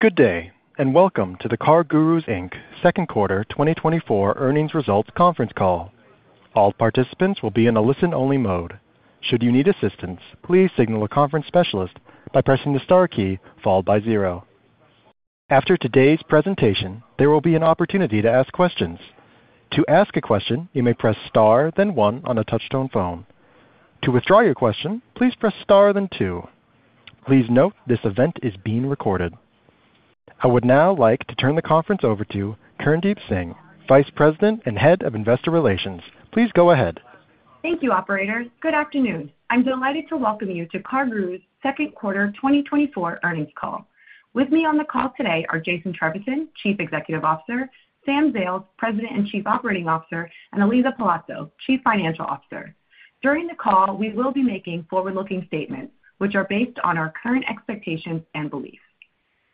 Good day, and welcome to the CarGurus, Inc. Second Quarter 2024 Earnings Results Conference Call. All participants will be in a listen-only mode. Should you need assistance, please signal a conference specialist by pressing the star key followed by zero. After today's presentation, there will be an opportunity to ask questions. To ask a question, you may press star, then one on a touchtone phone. To withdraw your question, please press star, then two. Please note, this event is being recorded. I would now like to turn the conference over to Kirndeep Singh, Vice President and Head of Investor Relations. Please go ahead. Thank you, operator. Good afternoon. I'm delighted to welcome you to CarGurus' Second Quarter 2024 Earnings Call. With me on the call today are Jason Trevisan, Chief Executive Officer, Sam Zales, President and Chief Operating Officer, and Elisa Palazzo, Chief Financial Officer. During the call, we will be making forward-looking statements, which are based on our current expectations and beliefs.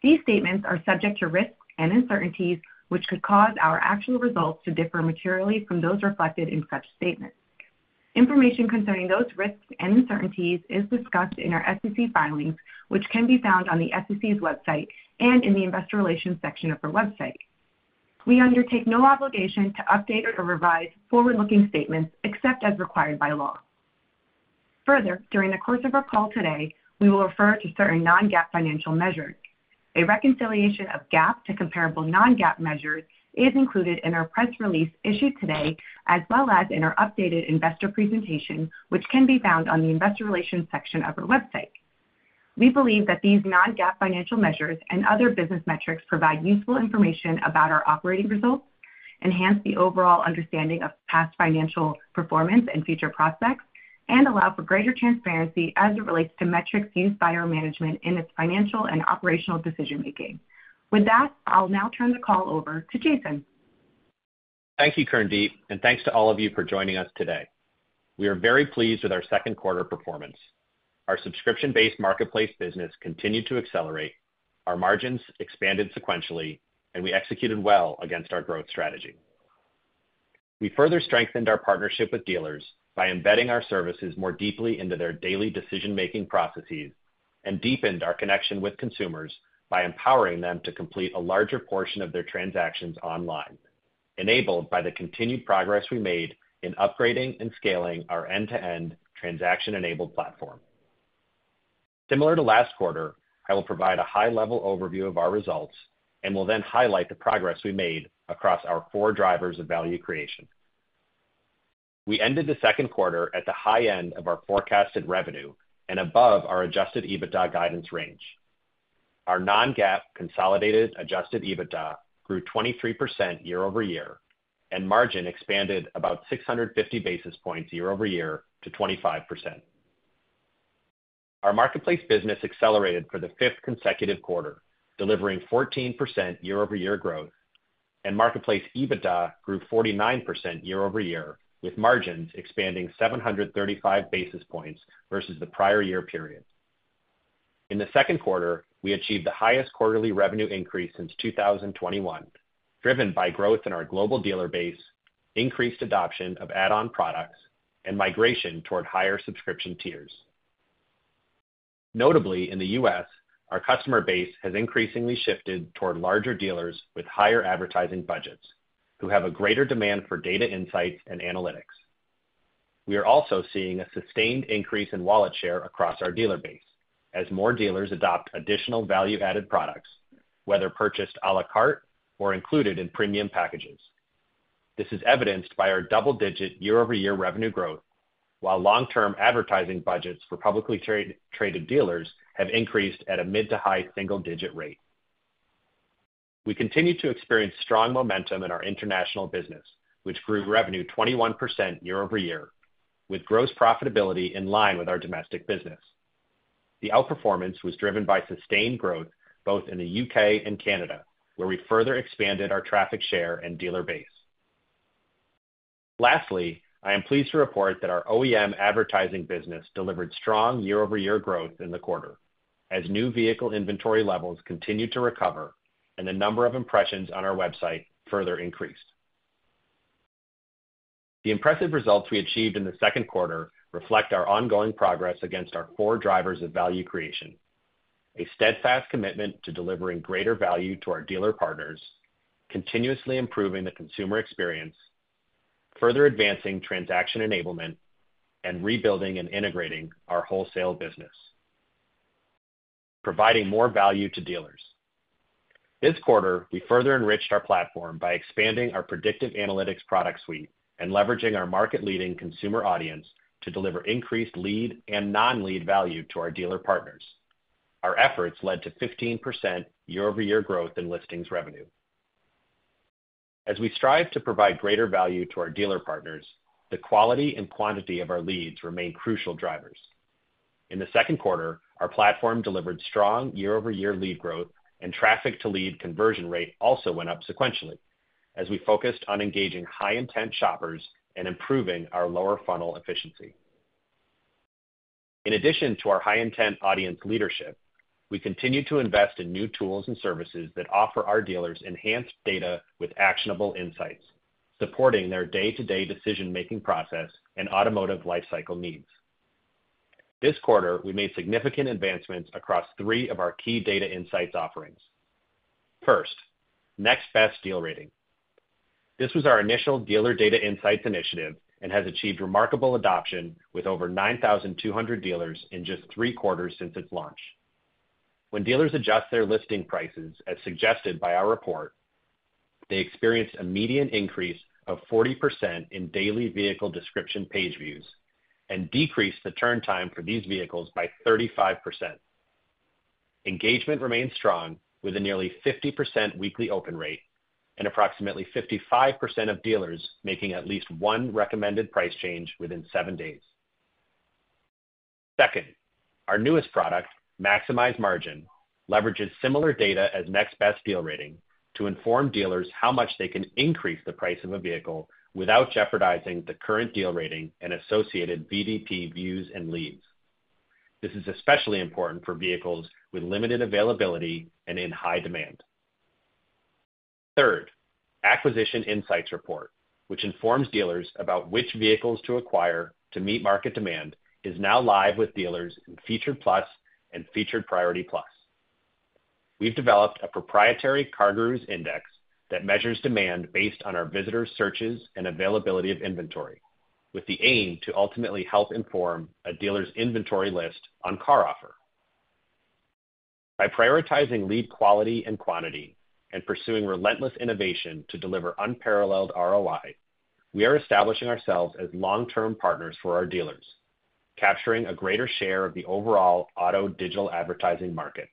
These statements are subject to risks and uncertainties, which could cause our actual results to differ materially from those reflected in such statements. Information concerning those risks and uncertainties is discussed in our SEC filings, which can be found on the SEC's website and in the investor relations section of our website. We undertake no obligation to update or revise forward-looking statements except as required by law. Further, during the course of our call today, we will refer to certain non-GAAP financial measures. A reconciliation of GAAP to comparable non-GAAP measures is included in our press release issued today, as well as in our updated investor presentation, which can be found on the investor relations section of our website. We believe that these non-GAAP financial measures and other business metrics provide useful information about our operating results, enhance the overall understanding of past financial performance and future prospects, and allow for greater transparency as it relates to metrics used by our management in its financial and operational decision making. With that, I'll now turn the call over to Jason. Thank you, Kirndeep, and thanks to all of you for joining us today. We are very pleased with our second quarter performance. Our subscription-based marketplace business continued to accelerate, our margins expanded sequentially, and we executed well against our growth strategy. We further strengthened our partnership with dealers by embedding our services more deeply into their daily decision-making processes and deepened our connection with consumers by empowering them to complete a larger portion of their transactions online, enabled by the continued progress we made in upgrading and scaling our end-to-end transaction-enabled platform. Similar to last quarter, I will provide a high-level overview of our results and will then highlight the progress we made across our four drivers of value creation. We ended the second quarter at the high end of our forecasted revenue and above our Adjusted EBITDA guidance range. Our non-GAAP consolidated adjusted EBITDA grew 23% year over year, and margin expanded about 650 basis points year over year to 25%. Our marketplace business accelerated for the fifth consecutive quarter, delivering 14% year-over-year growth, and marketplace EBITDA grew 49% year over year, with margins expanding 735 basis points versus the prior year period. In the second quarter, we achieved the highest quarterly revenue increase since 2021, driven by growth in our global dealer base, increased adoption of add-on products, and migration toward higher subscription tiers. Notably, in the U.S., our customer base has increasingly shifted toward larger dealers with higher advertising budgets, who have a greater demand for data insights and analytics. We are also seeing a sustained increase in wallet share across our dealer base as more dealers adopt additional value-added products, whether purchased à la carte or included in premium packages. This is evidenced by our double-digit year-over-year revenue growth, while long-term advertising budgets for publicly traded dealers have increased at a mid- to high-single-digit rate. We continue to experience strong momentum in our international business, which grew revenue 21% year-over-year, with gross profitability in line with our domestic business. The outperformance was driven by sustained growth both in the UK and Canada, where we further expanded our traffic share and dealer base. Lastly, I am pleased to report that our OEM advertising business delivered strong year-over-year growth in the quarter, as new vehicle inventory levels continued to recover and the number of impressions on our website further increased. The impressive results we achieved in the second quarter reflect our ongoing progress against our core drivers of value creation, a steadfast commitment to delivering greater value to our dealer partners, continuously improving the consumer experience, further advancing transaction enablement, and rebuilding and integrating our wholesale business, providing more value to dealers. This quarter, we further enriched our platform by expanding our predictive analytics product suite and leveraging our market-leading consumer audience to deliver increased lead and non-lead value to our dealer partners. Our efforts led to 15% year-over-year growth in listings revenue. As we strive to provide greater value to our dealer partners, the quality and quantity of our leads remain crucial drivers. In the second quarter, our platform delivered strong year-over-year lead growth, and traffic to lead conversion rate also went up sequentially, as we focused on engaging high-intent shoppers and improving our lower funnel efficiency. In addition to our high-intent audience leadership, we continued to invest in new tools and services that offer our dealers enhanced data with actionable insights, supporting their day-to-day decision-making process and automotive lifecycle needs. This quarter, we made significant advancements across three of our key data insights offerings. First, Next Best Deal Rating. This w0as our initial dealer data insights initiative and has achieved remarkable adoption, with over 9,200 dealers in just 3 quarters since its launch. When dealers adjust their listing prices, as suggested by our report, they experience a median increase of 40% in daily vehicle description page views and decrease the turn time for these vehicles by 35%. Engagement remains strong, with a nearly 50% weekly open rate and approximately 55% of dealers making at least one recommended price change within 7 days. Second, our newest product, Maximize Margin, leverages similar data as Next Best Deal Rating to inform dealers how much they can increase the price of a vehicle without jeopardizing the current deal rating and associated VDP views and leads. This is especially important for vehicles with limited availability and in high demand. Third, Acquisition Insights Report, which informs dealers about which vehicles to acquire to meet market demand, is now live with dealers in Featured Plus and Featured Priority Plus. We've developed a proprietary CarGurus Index that measures demand based on our visitors' searches and availability of inventory, with the aim to ultimately help inform a dealer's inventory list on CarOffer. By prioritizing lead quality and quantity and pursuing relentless innovation to deliver unparalleled ROI, we are establishing ourselves as long-term partners for our dealers, capturing a greater share of the overall auto digital advertising market.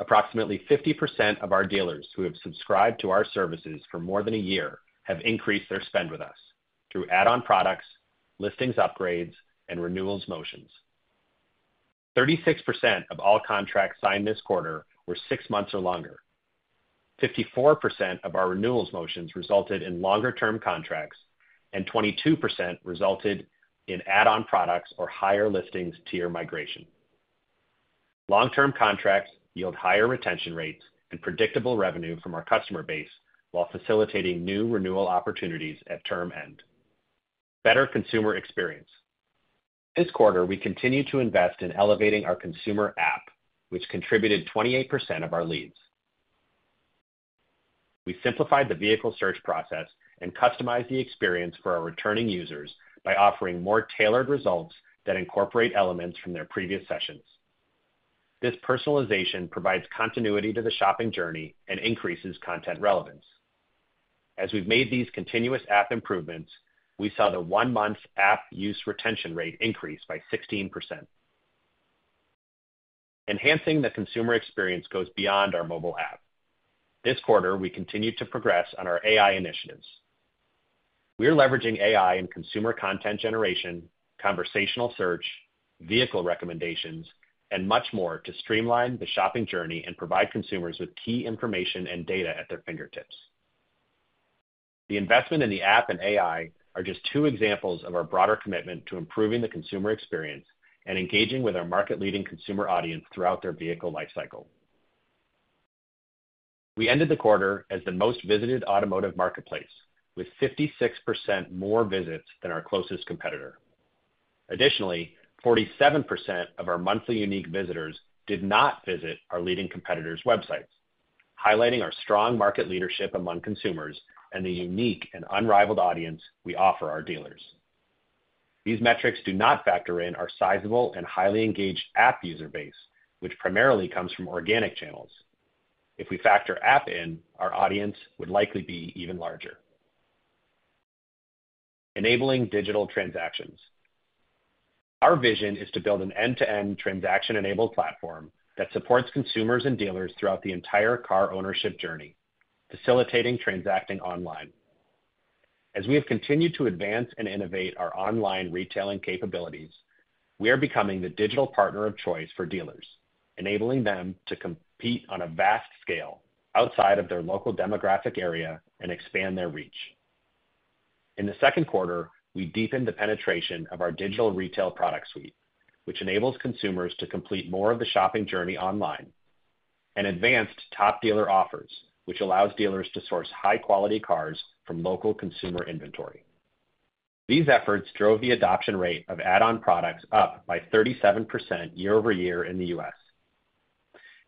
Approximately 50% of our dealers who have subscribed to our services for more than a year have increased their spend with us through add-on products, listings upgrades, and renewals motions. 36% of all contracts signed this quarter were six months or longer. 54% of our renewals motions resulted in longer-term contracts, and 22% resulted in add-on products or higher listings tier migration. Long-term contracts yield higher retention rates and predictable revenue from our customer base while facilitating new renewal opportunities at term end. Better consumer experience. This quarter, we continued to invest in elevating our consumer app, which contributed 28% of our leads. We simplified the vehicle search process and customized the experience for our returning users by offering more tailored results that incorporate elements from their previous sessions. This personalization provides continuity to the shopping journey and increases content relevance. As we've made these continuous app improvements, we saw the one-month app use retention rate increase by 16%. Enhancing the consumer experience goes beyond our mobile app. This quarter, we continued to progress on our AI initiatives. We are leveraging AI in consumer content generation, conversational search, vehicle recommendations, and much more to streamline the shopping journey and provide consumers with key information and data at their fingertips. The investment in the app and AI are just two examples of our broader commitment to improving the consumer experience and engaging with our market-leading consumer audience throughout their vehicle life cycle. We ended the quarter as the most visited automotive marketplace, with 56% more visits than our closest competitor. Additionally, 47% of our monthly unique visitors did not visit our leading competitors' websites, highlighting our strong market leadership among consumers and the unique and unrivaled audience we offer our dealers. These metrics do not factor in our sizable and highly engaged app user base, which primarily comes from organic channels. If we factor app in, our audience would likely be even larger. Enabling digital transactions. Our vision is to build an end-to-end transaction-enabled platform that supports consumers and dealers throughout the entire car ownership journey, facilitating transacting online. As we have continued to advance and innovate our online retailing capabilities, we are becoming the digital partner of choice for dealers, enabling them to compete on a vast scale outside of their local demographic area and expand their reach. In the second quarter, we deepened the penetration of our digital retail product suite, which enables consumers to complete more of the shopping journey online, and advanced Top Dealer Offers, which allows dealers to source high-quality cars from local consumer inventory. These efforts drove the adoption rate of add-on products up by 37% year-over-year in the U.S..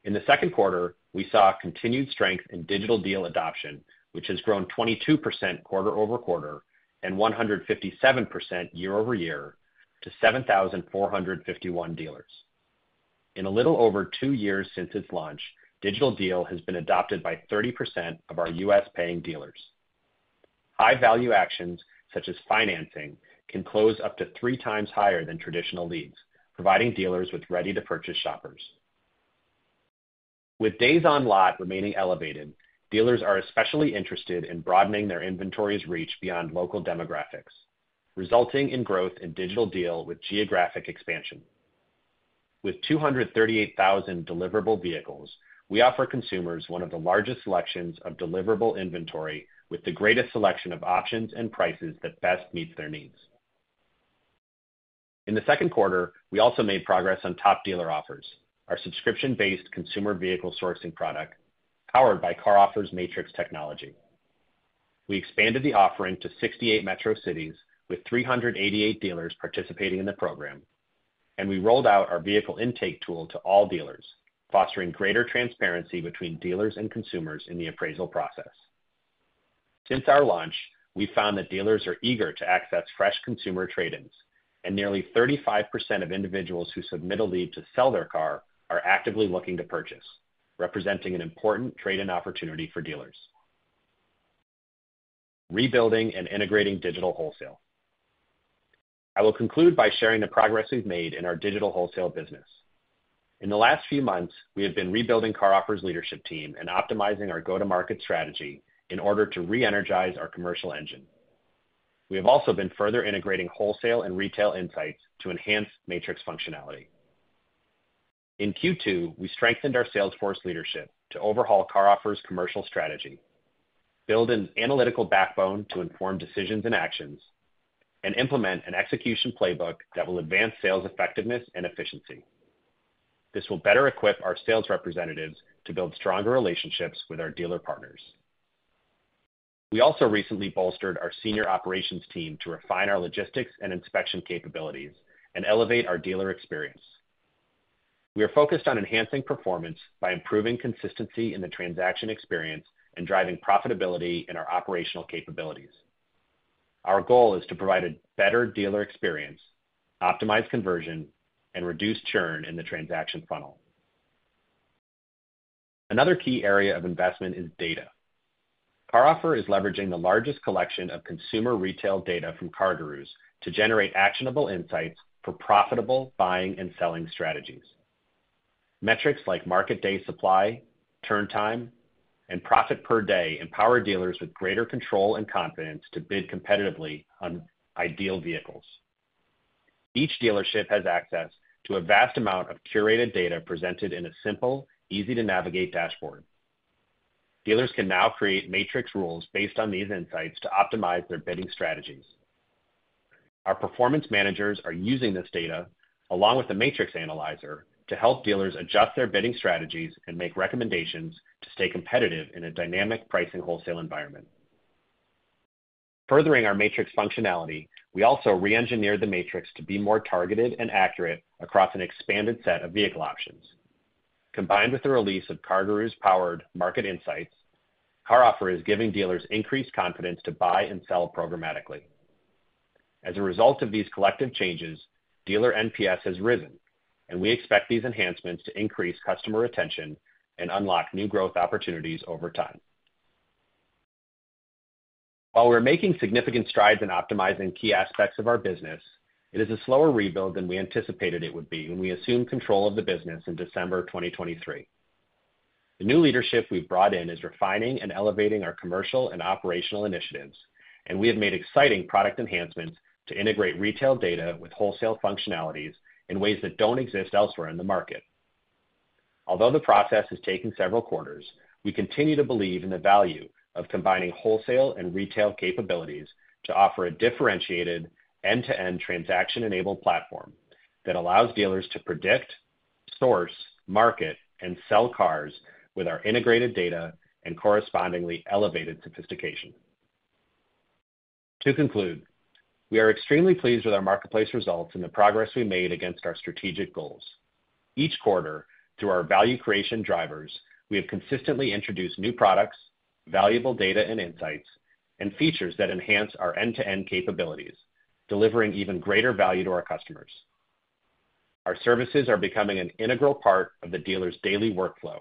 In the second quarter, we saw continued strength in Digital Deal adoption, which has grown 22% quarter-over-quarter and 157% year-over-year to 7,451 dealers. In a little over two years since its launch, Digital Deal has been adopted by 30% of our US-paying dealers. High-value actions, such as financing, can close up to three times higher than traditional leads, providing dealers with ready-to-purchase shoppers. With days on lot remaining elevated, dealers are especially interested in broadening their inventory's reach beyond local demographics, resulting in growth in Digital Deal with geographic expansion. With 238,000 deliverable vehicles, we offer consumers one of the largest selections of deliverable inventory with the greatest selection of options and prices that best meets their needs. In the second quarter, we also made progress on Top Dealer Offers, our subscription-based consumer vehicle sourcing product, powered by CarOffer's Matrix technology. We expanded the offering to 68 metro cities, with 388 dealers participating in the program, and we rolled out our Vehicle Intake Tool to all dealers, fostering greater transparency between dealers and consumers in the appraisal process. Since our launch, we found that dealers are eager to access fresh consumer trade-ins, and nearly 35% of individuals who submit a lead to sell their car are actively looking to purchase, representing an important trade-in opportunity for dealers. Rebuilding and integrating digital wholesale. I will conclude by sharing the progress we've made in our digital wholesale business. In the last few months, we have been rebuilding CarOffer's leadership team and optimizing our go-to-market strategy in order to re-energize our commercial engine. We have also been further integrating wholesale and retail insights to enhance Matrix functionality. In Q2, we strengthened our salesforce leadership to overhaul CarOffer's commercial strategy, build an analytical backbone to inform decisions and actions, and implement an execution playbook that will advance sales effectiveness and efficiency. This will better equip our sales representatives to build stronger relationships with our dealer partners. We also recently bolstered our senior operations team to refine our logistics and inspection capabilities and elevate our dealer experience. We are focused on enhancing performance by improving consistency in the transaction experience and driving profitability in our operational capabilities. Our goal is to provide a better dealer experience, optimize conversion, and reduce churn in the transaction funnel. Another key area of investment is data. CarOffer is leveraging the largest collection of consumer retail data from CarGurus to generate actionable insights for profitable buying and selling strategies. Metrics like Market Days Supply, turn time, and profit per day empower dealers with greater control and confidence to bid competitively on ideal vehicles. Each dealership has access to a vast amount of curated data presented in a simple, easy-to-navigate dashboard. Dealers can now create Matrix rules based on these insights to optimize their bidding strategies. Our performance managers are using this data, along with the Matrix Analyzer, to help dealers adjust their bidding strategies and make recommendations to stay competitive in a dynamic pricing wholesale environment. Furthering our Matrix functionality, we also reengineered the Matrix to be more targeted and accurate across an expanded set of vehicle options. Combined with the release of CarGurus-powered market insights, CarOffer is giving dealers increased confidence to buy and sell programmatically. As a result of these collective changes, dealer NPS has risen, and we expect these enhancements to increase customer retention and unlock new growth opportunities over time. While we're making significant strides in optimizing key aspects of our business, it is a slower rebuild than we anticipated it would be when we assumed control of the business in December 2023. The new leadership we've brought in is refining and elevating our commercial and operational initiatives, and we have made exciting product enhancements to integrate retail data with wholesale functionalities in ways that don't exist elsewhere in the market. Although the process has taken several quarters, we continue to believe in the value of combining wholesale and retail capabilities to offer a differentiated, end-to-end, transaction-enabled platform that allows dealers to predict, source, market, and sell cars with our integrated data and correspondingly elevated sophistication. To conclude, we are extremely pleased with our marketplace results and the progress we made against our strategic goals. Each quarter, through our value creation drivers, we have consistently introduced new products, valuable data and insights, and features that enhance our end-to-end capabilities, delivering even greater value to our customers. Our services are becoming an integral part of the dealer's daily workflow,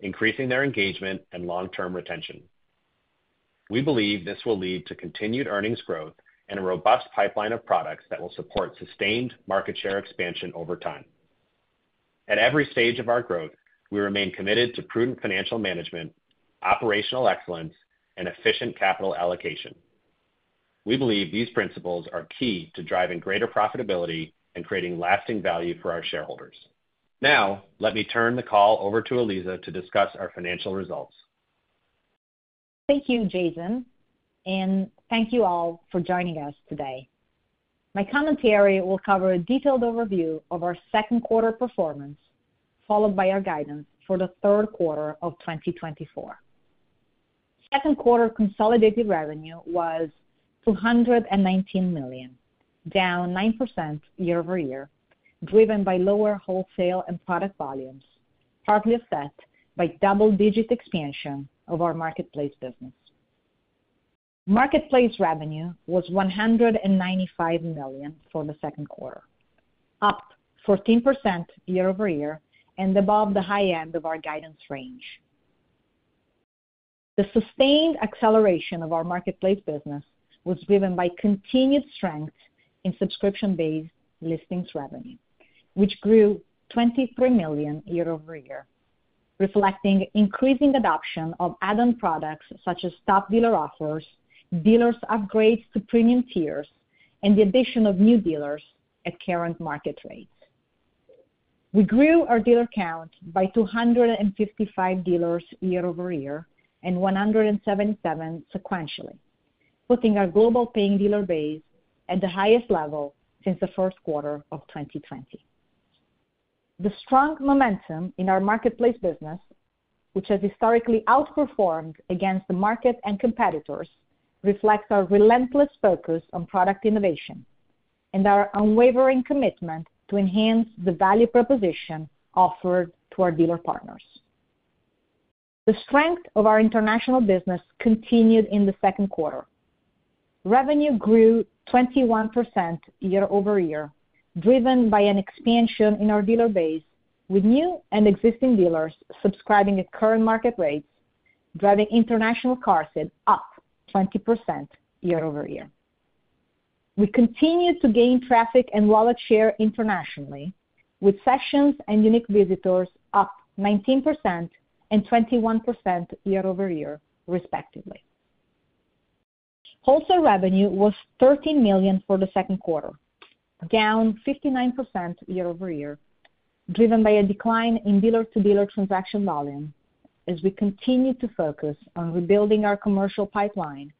increasing their engagement and long-term retention. We believe this will lead to continued earnings growth and a robust pipeline of products that will support sustained market share expansion over time. At every stage of our growth, we remain committed to prudent financial management, operational excellence, and efficient capital allocation. We believe these principles are key to driving greater profitability and creating lasting value for our shareholders. Now, let me turn the call over to Elisa to discuss our financial results. Thank you, Jason, and thank you all for joining us today. My commentary will cover a detailed overview of our second quarter performance, followed by our guidance for the third quarter of 2024. Second quarter consolidated revenue was $219 million, down 9% year over year, driven by lower wholesale and product volumes, partly offset by double-digit expansion of our marketplace business. Marketplace revenue was $195 million for the second quarter, up 14% year over year and above the high end of our guidance range. The sustained acceleration of our marketplace business was driven by continued strength in subscription-based listings revenue, which grew $23 million year over year, reflecting increasing adoption of add-on products, such as top dealer offers, dealers' upgrades to premium tiers, and the addition of new dealers at current market rates. We grew our dealer count by 255 dealers year-over-year, and 177 sequentially, putting our global paying dealer base at the highest level since the first quarter of 2020. The strong momentum in our marketplace business, which has historically outperformed against the market and competitors, reflects our relentless focus on product innovation and our unwavering commitment to enhance the value proposition offered to our dealer partners. The strength of our international business continued in the second quarter. Revenue grew 21% year-over-year, driven by an expansion in our dealer base, with new and existing dealers subscribing at current market rates, driving international car sales up 20% year-over-year. We continued to gain traffic and wallet share internationally, with sessions and unique visitors up 19% and 21% year-over-year, respectively. Wholesale revenue was $13 million for the second quarter, down 59% year-over-year, driven by a decline in dealer-to-dealer transaction volume as we continue to focus on rebuilding our commercial pipeline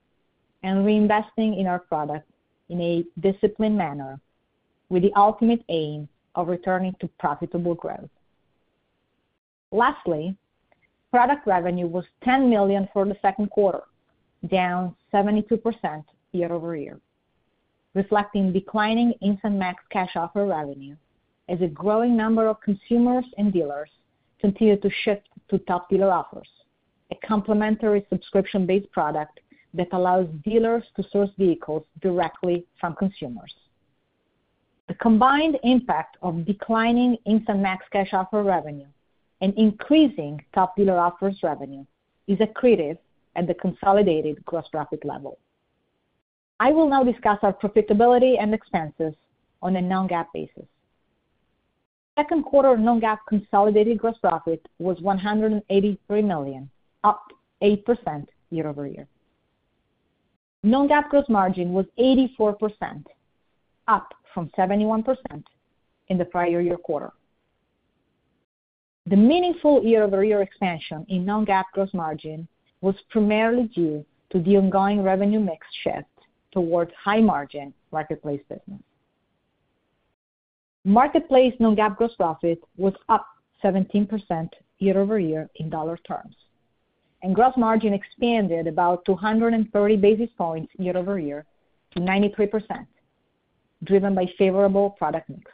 and reinvesting in our product in a disciplined manner, with the ultimate aim of returning to profitable growth. Lastly, product revenue was $10 million for the second quarter, down 72% year-over-year, reflecting declining Instant Max Cash Offer revenue as a growing number of consumers and dealers continue to shift to Top Dealer Offers, a complementary subscription-based product that allows dealers to source vehicles directly from consumers. The combined impact of declining Instant Max Cash Offer revenue and increasing Top Dealer Offers revenue is accretive at the consolidated gross profit level. I will now discuss our profitability and expenses on a non-GAAP basis. Second quarter non-GAAP consolidated gross profit was $183 million, up 8% year over year. Non-GAAP gross margin was 84%, up from 71% in the prior year quarter. The meaningful year-over-year expansion in non-GAAP gross margin was primarily due to the ongoing revenue mix shift towards high-margin marketplace business. Marketplace non-GAAP gross profit was up 17% year over year in dollar terms, and gross margin expanded about 230 basis points year over year to 93%, driven by favorable product mix.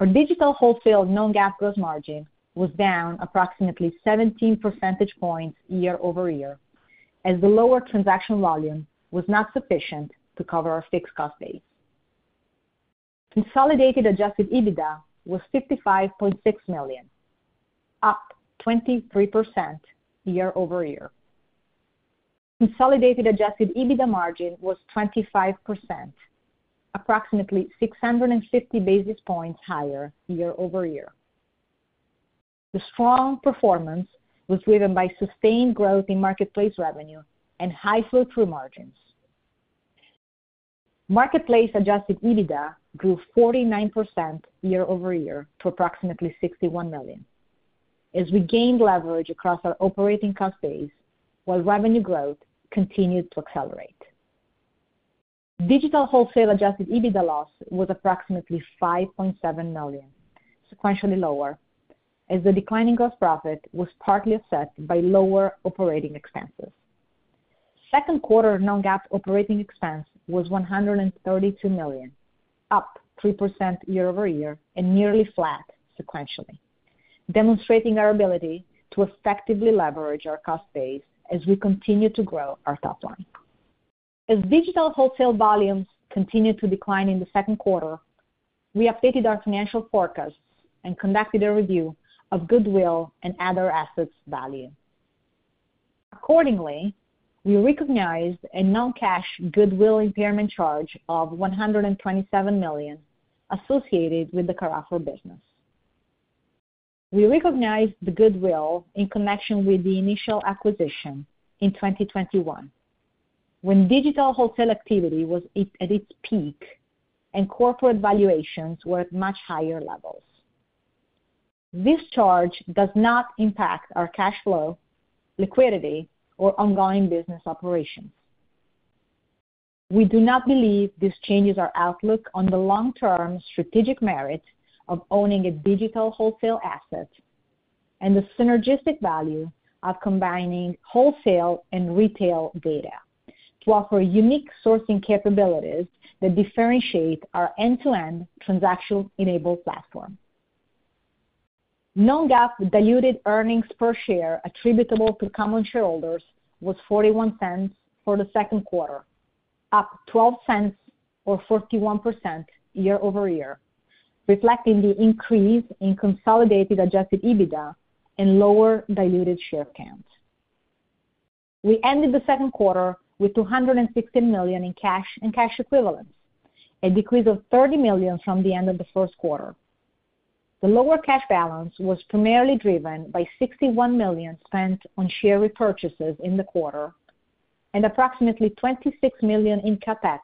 Our digital wholesale non-GAAP gross margin was down approximately 17 percentage points year over year, as the lower transaction volume was not sufficient to cover our fixed cost base. Consolidated adjusted EBITDA was $55.6 million, up 23% year over year. Consolidated adjusted EBITDA margin was 25%, approximately 650 basis points higher year-over-year. The strong performance was driven by sustained growth in marketplace revenue and high flow-through margins. Marketplace adjusted EBITDA grew 49% year-over-year to approximately $61 million, as we gained leverage across our operating cost base, while revenue growth continued to accelerate. Digital wholesale adjusted EBITDA loss was approximately $5.7 million, sequentially lower, as the declining gross profit was partly offset by lower operating expenses. Second quarter non-GAAP operating expense was $132 million, up 3% year-over-year and nearly flat sequentially, demonstrating our ability to effectively leverage our cost base as we continue to grow our top line. As digital wholesale volumes continued to decline in the second quarter, we updated our financial forecast and conducted a review of goodwill and other assets' value. Accordingly, we recognized a non-cash goodwill impairment charge of $127 million associated with the CarOffer business. We recognized the goodwill in connection with the initial acquisition in 2021, when digital wholesale activity was at its peak and corporate valuations were at much higher levels. This charge does not impact our cash flow, liquidity, or ongoing business operations. We do not believe this changes our outlook on the long-term strategic merit of owning a digital wholesale asset and the synergistic value of combining wholesale and retail data to offer unique sourcing capabilities that differentiate our end-to-end transactional enabled platform. Non-GAAP diluted earnings per share attributable to common shareholders was $0.41 for the second quarter, up $0.12 or 41% year-over-year, reflecting the increase in consolidated Adjusted EBITDA and lower diluted share count. We ended the second quarter with $216 million in cash and cash equivalents, a decrease of $30 million from the end of the first quarter. The lower cash balance was primarily driven by $61 million spent on share repurchases in the quarter, and approximately $26 million in CapEx,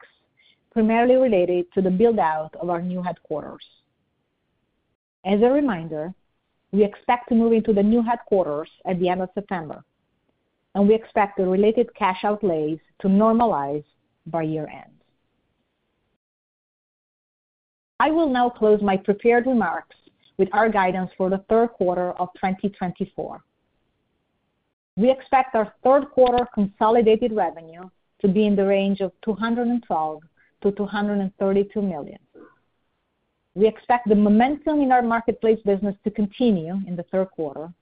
primarily related to the build-out of our new headquarters. As a reminder, we expect to move into the new headquarters at the end of September... and we expect the related cash outlays to normalize by year-end. I will now close my prepared remarks with our guidance for the third quarter of 2024. We expect our third quarter consolidated revenue to be in the range of $212 million-$232 million. We expect the momentum in our marketplace business to continue in the third quarter,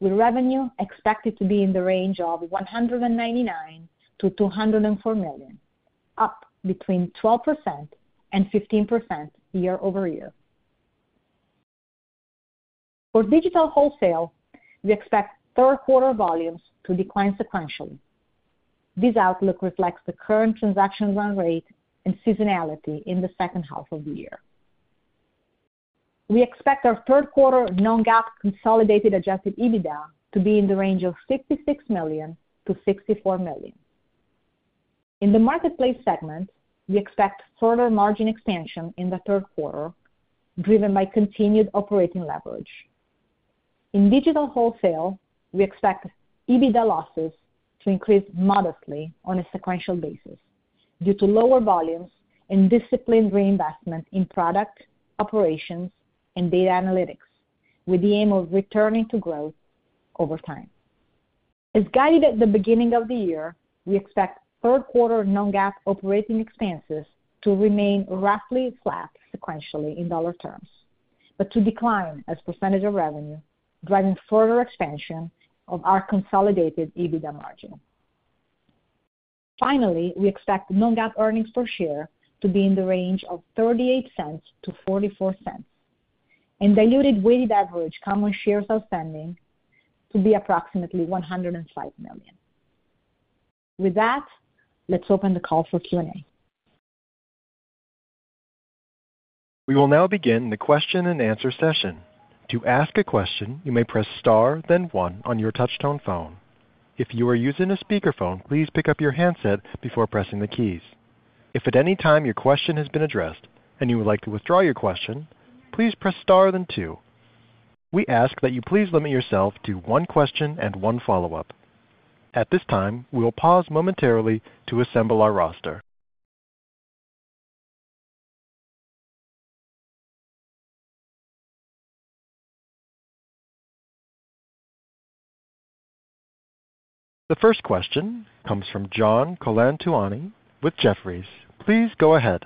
with revenue expected to be in the range of $199 million-$204 million, up 12%-15% year-over-year. For digital wholesale, we expect third quarter volumes to decline sequentially. This outlook reflects the current transaction run rate and seasonality in the second half of the year. We expect our third quarter non-GAAP consolidated adjusted EBITDA to be in the range of $66 million-$64 million. In the marketplace segment, we expect further margin expansion in the third quarter, driven by continued operating leverage. In digital wholesale, we expect EBITDA losses to increase modestly on a sequential basis due to lower volumes and disciplined reinvestment in product, operations, and data analytics, with the aim of returning to growth over time. As guided at the beginning of the year, we expect third quarter non-GAAP operating expenses to remain roughly flat sequentially in dollar terms, but to decline as percentage of revenue, driving further expansion of our consolidated EBITDA margin. Finally, we expect non-GAAP earnings per share to be in the range of $0.38-$0.44, and diluted weighted average common shares outstanding to be approximately 105 million. With that, let's open the call for Q&A. We will now begin the question-and-answer session. To ask a question, you may press star, then one on your touchtone phone. If you are using a speakerphone, please pick up your handset before pressing the keys. If at any time your question has been addressed and you would like to withdraw your question, please press star then two. We ask that you please limit yourself to one question and one follow-up. At this time, we will pause momentarily to assemble our roster. The first question comes from John Colantuoni with Jefferies. Please go ahead.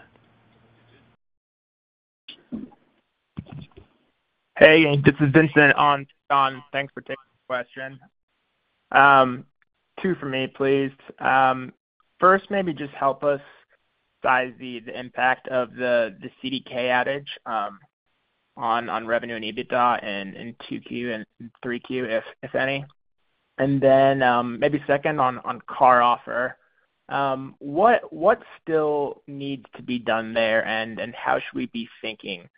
Hey, this is Vincent on for John. Thanks for taking the question. Two for me, please. First, maybe just help us size the impact of the CDK outage on revenue and EBITDA in 2Q and 3Q, if any. And then, maybe second on CarOffer. What still needs to be done there? And how should we be thinking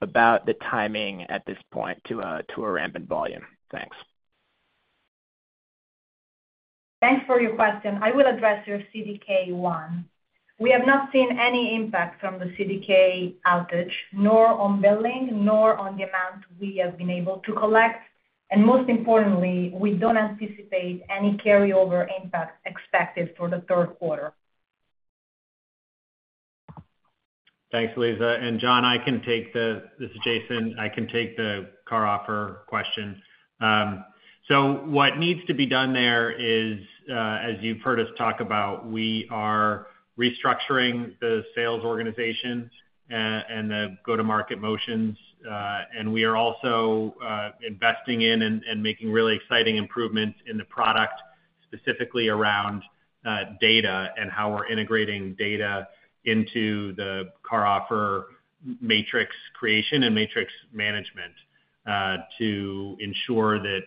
about the timing at this point to a rampant volume? Thanks. Thanks for your question. I will address your CDK one. We have not seen any impact from the CDK outage, nor on billing, nor on the amount we have been able to collect, and most importantly, we don't anticipate any carryover impact expected for the third quarter. Thanks, Elisa. And John, I can take the—this is Jason. I can take the CarOffer question. So what needs to be done there is, as you've heard us talk about, we are restructuring the sales organization, and the go-to-market motions. And we are also, investing in and making really exciting improvements in the product, specifically around, data and how we're integrating data into the CarOffer Matrix creation and Matrix management, to ensure that,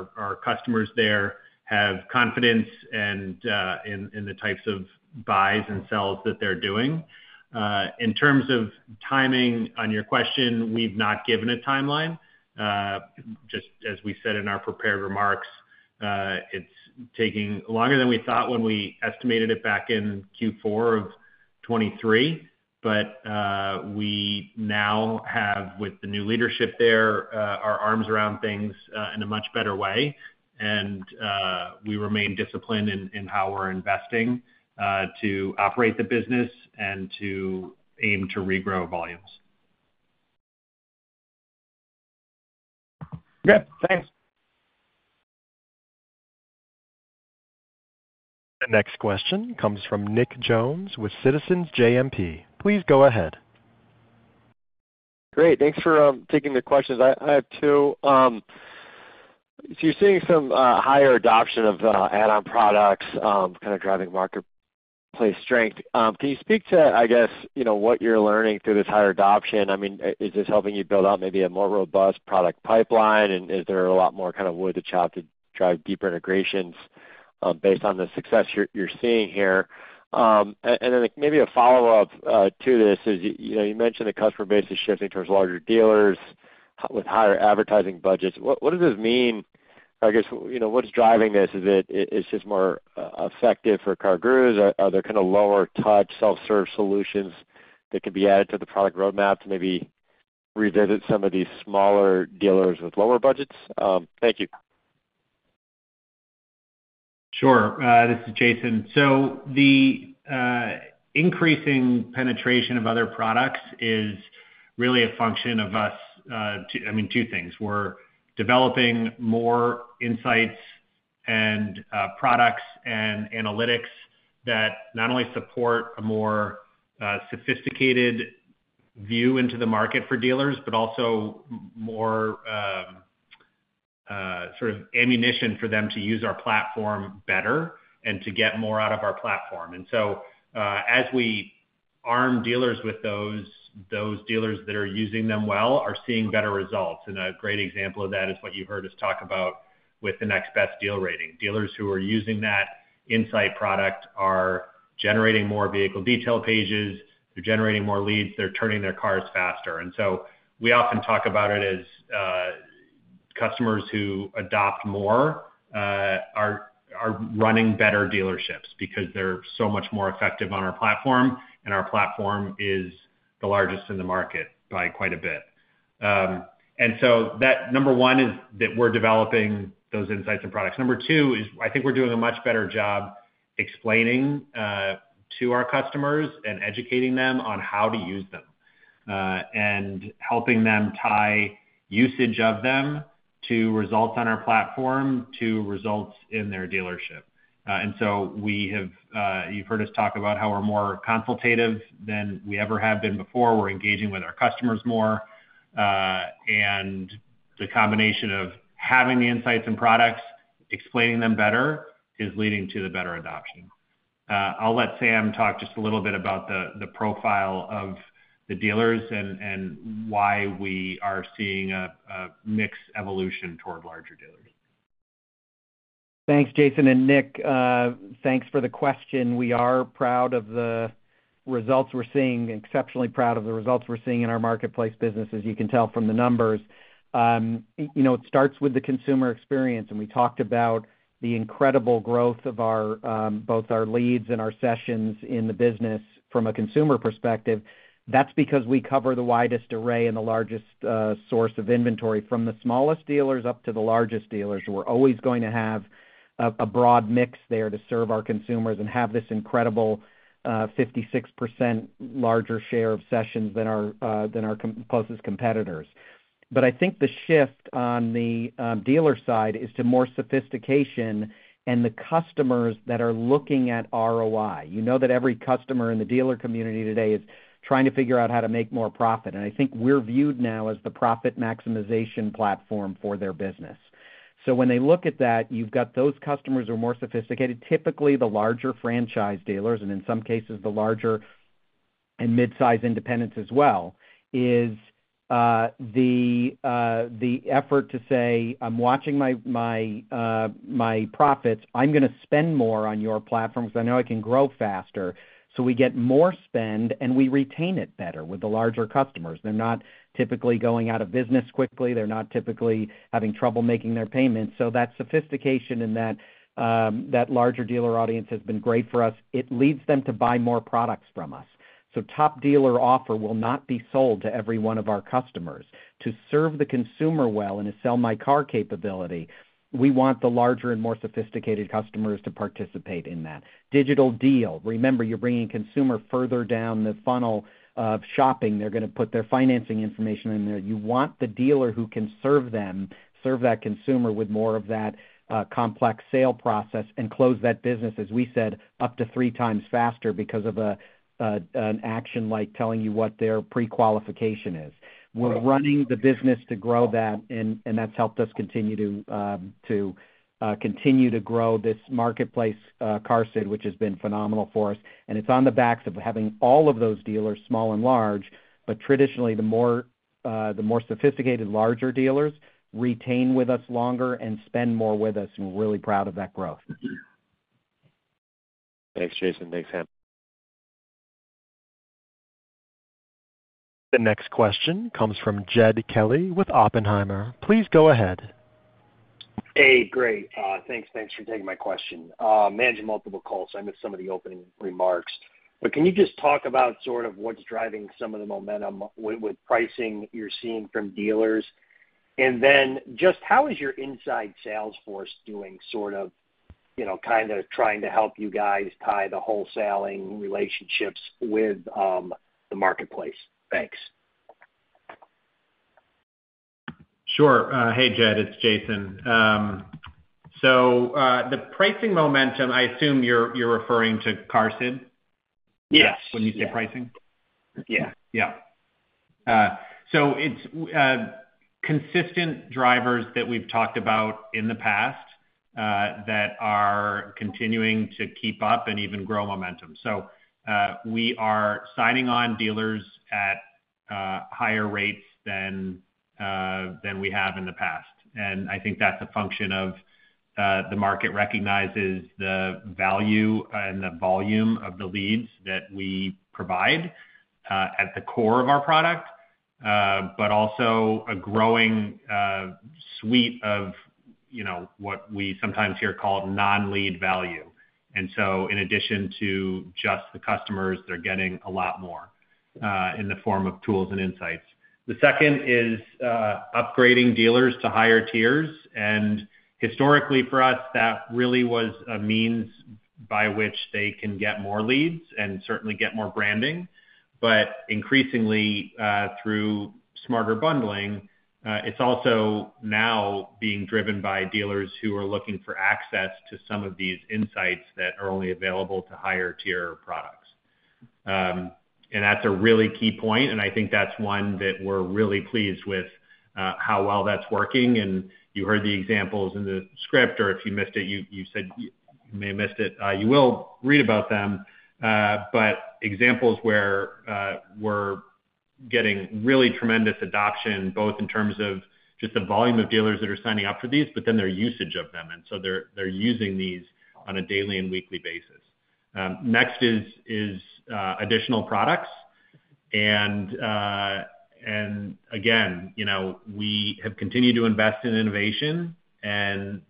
our customers there have confidence and, in the types of buys and sells that they're doing. In terms of timing on your question, we've not given a timeline. Just as we said in our prepared remarks, it's taking longer than we thought when we estimated it back in Q4 of 2023. But, we now have, with the new leadership there, our arms around things, in a much better way. And, we remain disciplined in how we're investing, to operate the business and to aim to regrow volumes. Okay, thanks. The next question comes from Nick Jones with Citizens JMP. Please go ahead. Great. Thanks for taking the questions. I have two. So you're seeing some higher adoption of the add-on products, kind of driving marketplace strength. Can you speak to, I guess, you know, what you're learning through this higher adoption? I mean, is this helping you build out maybe a more robust product pipeline, and is there a lot more kind of wood to chop to drive deeper integrations, based on the success you're seeing here? And then maybe a follow-up to this is, you know, you mentioned the customer base is shifting towards larger dealers with higher advertising budgets. What does this mean? I guess, you know, what's driving this? Is it, it's just more effective for CarGurus, or are there kind of lower touch, self-serve solutions that could be added to the product roadmap to maybe... ...revisit some of these smaller dealers with lower budgets? Thank you. Sure. This is Jason. So the increasing penetration of other products is really a function of us two, I mean, two things: We're developing more insights and products and analytics that not only support a more sophisticated view into the market for dealers, but also more sort of ammunition for them to use our platform better and to get more out of our platform. And so, as we arm dealers with those, those dealers that are using them well are seeing better results. And a great example of that is what you heard us talk about with the Next Best Deal Rating. Dealers who are using that insight product are generating more vehicle detail pages, they're generating more leads, they're turning their cars faster. And so we often talk about it as customers who adopt more are running better dealerships because they're so much more effective on our platform, and our platform is the largest in the market by quite a bit. And so that number one is that we're developing those insights and products. Number two is, I think we're doing a much better job explaining to our customers and educating them on how to use them and helping them tie usage of them to results on our platform, to results in their dealership. And so we have, you've heard us talk about how we're more consultative than we ever have been before. We're engaging with our customers more, and the combination of having the insights and products, explaining them better, is leading to the better adoption. I'll let Sam talk just a little bit about the profile of the dealers and why we are seeing a mixed evolution toward larger dealers. Thanks, Jason and Nick. Thanks for the question. We are proud of the results we're seeing, exceptionally proud of the results we're seeing in our marketplace business, as you can tell from the numbers. You know, it starts with the consumer experience, and we talked about the incredible growth of our both our leads and our sessions in the business from a consumer perspective. That's because we cover the widest array and the largest source of inventory from the smallest dealers up to the largest dealers. We're always going to have a broad mix there to serve our consumers and have this incredible 56% larger share of sessions than our closest competitors. But I think the shift on the dealer side is to more sophistication and the customers that are looking at ROI. You know that every customer in the dealer community today is trying to figure out how to make more profit, and I think we're viewed now as the profit maximization platform for their business. So when they look at that, you've got those customers who are more sophisticated, typically the larger franchise dealers, and in some cases, the larger and mid-size independents as well, is the effort to say, "I'm watching my my profits. I'm going to spend more on your platform because I know I can grow faster." So we get more spend, and we retain it better with the larger customers. They're not typically going out of business quickly. They're not typically having trouble making their payments. So that sophistication in that larger dealer audience has been great for us. It leads them to buy more products from us. So Top Dealer Offer will not be sold to every one of our customers. To serve the consumer well in a Sell My Car capability, we want the larger and more sophisticated customers to participate in that. Digital Deal, remember, you're bringing consumer further down the funnel of shopping. They're going to put their financing information in there. You want the dealer who can serve them, serve that consumer with more of that, complex sale process and close that business, as we said, up to three times faster because of an action like telling you what their pre-qualification is. We're running the business to grow that, and that's helped us continue to grow this marketplace, CarGurus, which has been phenomenal for us. And it's on the backs of having all of those dealers, small and large, but traditionally, the more, the more sophisticated larger dealers retain with us longer and spend more with us, and we're really proud of that growth. Thanks, Jason. Thanks, Sam. The next question comes from Jed Kelly with Oppenheimer. Please go ahead. Hey, great. Thanks for taking my question. Managing multiple calls, so I missed some of the opening remarks. But can you just talk about sort of what's driving some of the momentum with pricing you're seeing from dealers? And then just how is your inside sales force doing sort of, you know, kind of trying to help you guys tie the wholesaling relationships with the marketplace? Thanks. Sure. Hey, Jed, it's Jason. So, the pricing momentum, I assume you're referring to CarSid- Yes... when you say pricing? Yeah. Yeah. So it's consistent drivers that we've talked about in the past that are continuing to keep up and even grow momentum. So, we are signing on dealers at higher rates than we have in the past, and I think that's a function of the market recognizes the value and the volume of the leads that we provide at the core of our product, but also a growing suite of, you know, what we sometimes hear called non-lead value. And so in addition to just the customers, they're getting a lot more in the form of tools and insights. The second is upgrading dealers to higher tiers, and historically, for us, that really was a means by which they can get more leads and certainly get more branding. But increasingly, through smarter bundling, it's also now being driven by dealers who are looking for access to some of these insights that are only available to higher tier products. And that's a really key point, and I think that's one that we're really pleased with, how well that's working. And you heard the examples in the script, or if you missed it, you said you may have missed it. You will read about them, but examples where, we're getting really tremendous adoption, both in terms of just the volume of dealers that are signing up for these, but then their usage of them, and so they're using these on a daily and weekly basis. Next is additional products. And again, you know, we have continued to invest in innovation, and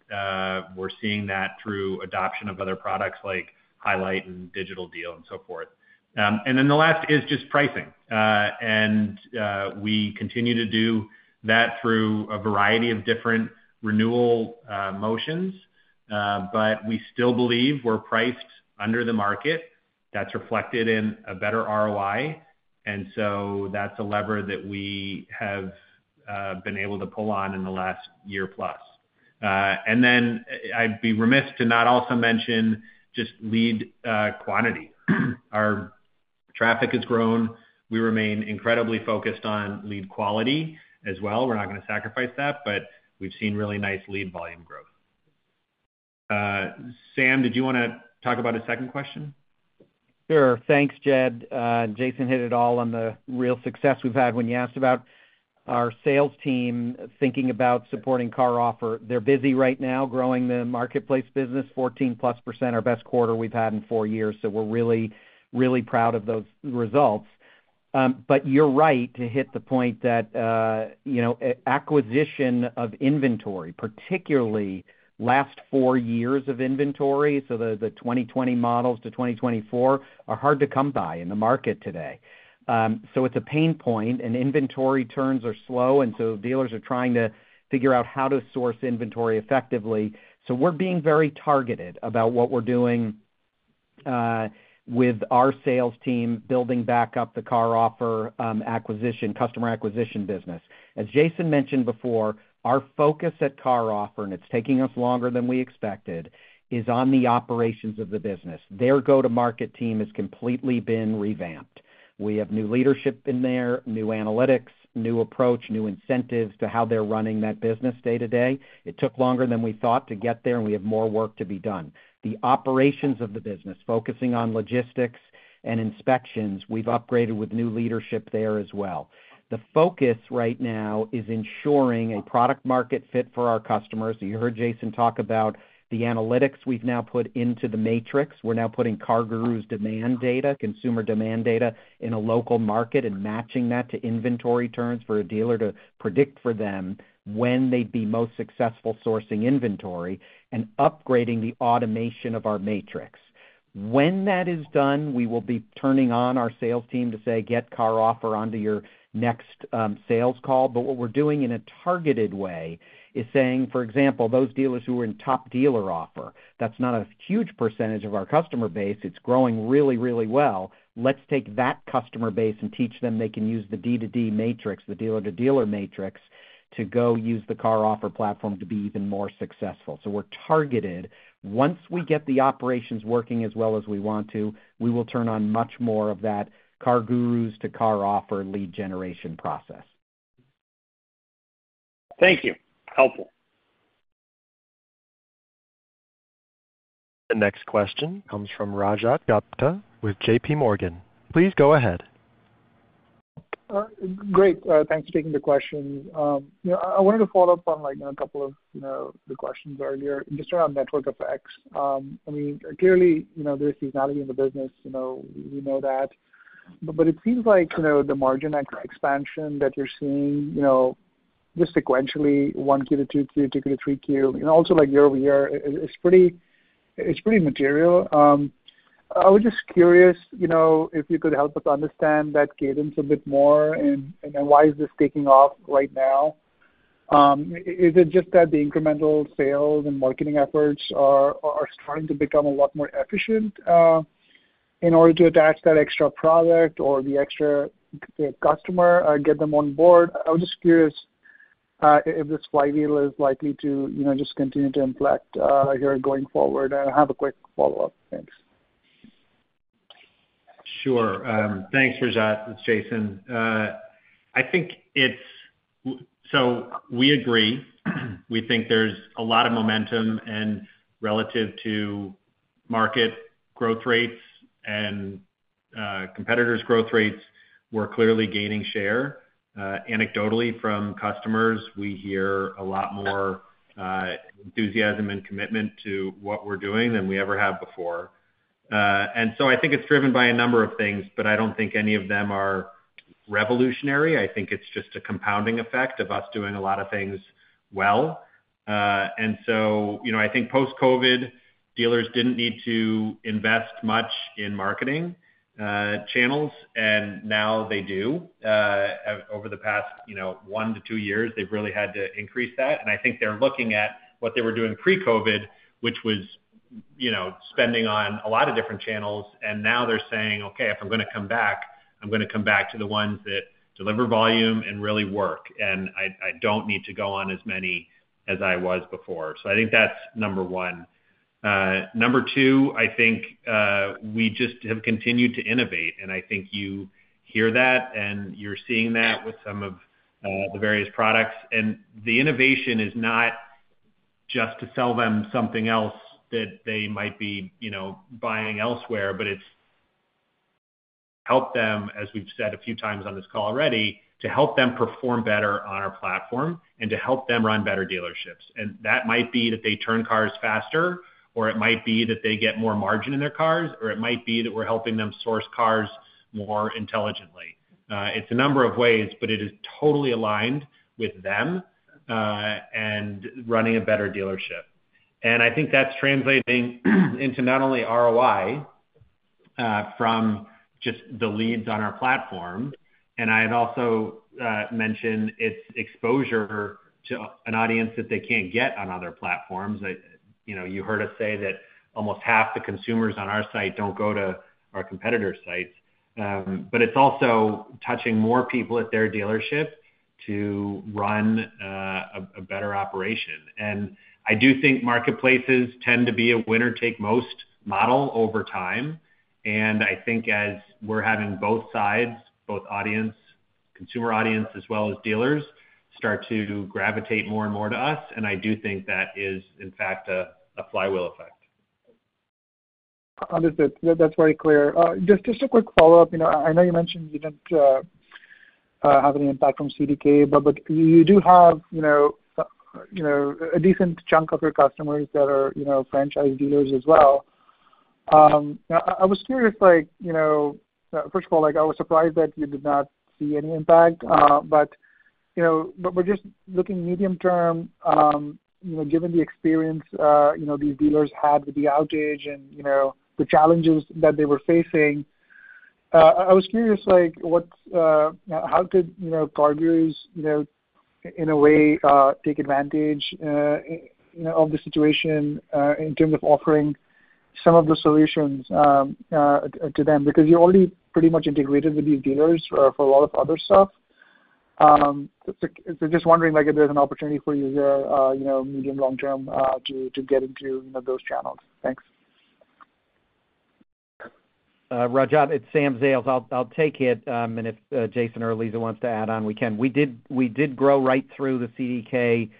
we're seeing that through adoption of other products like Highlight and Digital Deal and so forth. And then the last is just pricing. And we continue to do that through a variety of different renewal motions, but we still believe we're priced under the market. That's reflected in a better ROI, and so that's a lever that we have been able to pull on in the last year plus. And then I'd be remiss to not also mention just lead quantity. Our traffic has grown. We remain incredibly focused on lead quality as well. We're not going to sacrifice that, but we've seen really nice lead volume growth. Sam, did you want to talk about a second question? Sure. Thanks, Jed. Jason hit it all on the real success we've had when you asked about our sales team thinking about supporting CarOffer. They're busy right now growing the marketplace business, 14%+, our best quarter we've had in 4 years, so we're really, really proud of those results. But you're right to hit the point that, you know, acquisition of inventory, particularly last 4 years of inventory, so the 2020 models to 2024, are hard to come by in the market today. So it's a pain point, and inventory turns are slow, and so dealers are trying to figure out how to source inventory effectively. So we're being very targeted about what we're doing with our sales team, building back up the CarOffer acquisition customer acquisition business. As Jason mentioned before, our focus at CarOffer, and it's taking us longer than we expected, is on the operations of the business. Their go-to-market team has completely been revamped. We have new leadership in there, new analytics, new approach, new incentives to how they're running that business day to day. It took longer than we thought to get there, and we have more work to be done. The operations of the business, focusing on logistics and inspections, we've upgraded with new leadership there as well. The focus right now is ensuring a product market fit for our customers. So you heard Jason talk about the analytics we've now put into the Matrix. We're now putting CarGurus demand data, consumer demand data in a local market and matching that to inventory turns for a dealer to predict for them when they'd be most successful sourcing inventory and upgrading the automation of our matrix. When that is done, we will be turning on our sales team to say, "Get CarOffer onto your next, sales call." But what we're doing in a targeted way is saying, for example, those dealers who are in top dealer offer, that's not a huge percentage of our customer base. It's growing really, really well. Let's take that customer base and teach them they can use the D2D Matrix, the dealer-to-dealer Matrix, to go use the CarOffer platform to be even more successful. So we're targeted. Once we get the operations working as well as we want to, we will turn on much more of that CarGurus to CarOffer lead generation process. Thank you. Helpful. The next question comes from Rajat Gupta with J.P. Morgan. Please go ahead. Great. Thanks for taking the question. You know, I wanted to follow up on, like, a couple of, you know, the questions earlier, just around network effects. I mean, clearly, you know, there's seasonality in the business, you know, we know that. But it seems like, you know, the margin expansion that you're seeing, you know, just sequentially, 1Q to 2Q, 2Q to 3Q, and also, like, year-over-year, it's pretty—it's pretty material. I was just curious, you know, if you could help us understand that cadence a bit more, and then why is this taking off right now? Is it just that the incremental sales and marketing efforts are starting to become a lot more efficient in order to attach that extra product or the extra customer or get them on board? I was just curious, if this flywheel is likely to, you know, just continue to impact, here going forward. I have a quick follow-up. Thanks. Sure. Thanks, Rajat. It's Jason. I think so we agree. We think there's a lot of momentum and relative to market growth rates and, competitors' growth rates, we're clearly gaining share. Anecdotally from customers, we hear a lot more, enthusiasm and commitment to what we're doing than we ever have before. And so I think it's driven by a number of things, but I don't think any of them are revolutionary. I think it's just a compounding effect of us doing a lot of things well. And so, you know, I think post-COVID, dealers didn't need to invest much in marketing, channels, and now they do. Over the past, you know, 1-2 years, they've really had to increase that. I think they're looking at what they were doing pre-COVID, which was, you know, spending on a lot of different channels. Now they're saying, "Okay, if I'm going to come back, I'm going to come back to the ones that deliver volume and really work, and I, I don't need to go on as many as I was before." So I think that's number one. Number two, I think, we just have continued to innovate, and I think you hear that, and you're seeing that with some of, the various products. The innovation is not just to sell them something else that they might be, you know, buying elsewhere, but it's help them, as we've said a few times on this call already, to help them perform better on our platform and to help them run better dealerships. That might be that they turn cars faster, or it might be that they get more margin in their cars, or it might be that we're helping them source cars more intelligently. It's a number of ways, but it is totally aligned with them, and running a better dealership. And I think that's translating into not only ROI from just the leads on our platform. And I had also mentioned its exposure to an audience that they can't get on other platforms. You know, you heard us say that almost half the consumers on our site don't go to our competitor sites. But it's also touching more people at their dealership to run a better operation. And I do think marketplaces tend to be a winner-take-most model over time. I think as we're having both sides, both audience, consumer audience as well as dealers, start to gravitate more and more to us, and I do think that is, in fact, a flywheel effect. Understood. That, that's very clear. Just, just a quick follow-up. You know, I know you mentioned you didn't have any impact from CDK, but, but you do have, you know, you know, a decent chunk of your customers that are, you know, franchise dealers as well. I, I was curious, like, you know, first of all, like, I was surprised that you did not see any impact. But, you know, but we're just looking medium term, you know, given the experience, you know, these dealers had with the outage and, you know, the challenges that they were facing, I was curious, like, what's... how could, you know, CarGurus, you know, in a way, take advantage, you know, of the situation, in terms of offering some of the solutions, to them? Because you're already pretty much integrated with these dealers for a lot of other stuff. So just wondering, like, if there's an opportunity for you there, you know, medium, long term to get into, you know, those channels. Thanks. Rajat, it's Sam Zales. I'll take it, and if Jason or Elisa wants to add on, we can. We did grow right through the CDK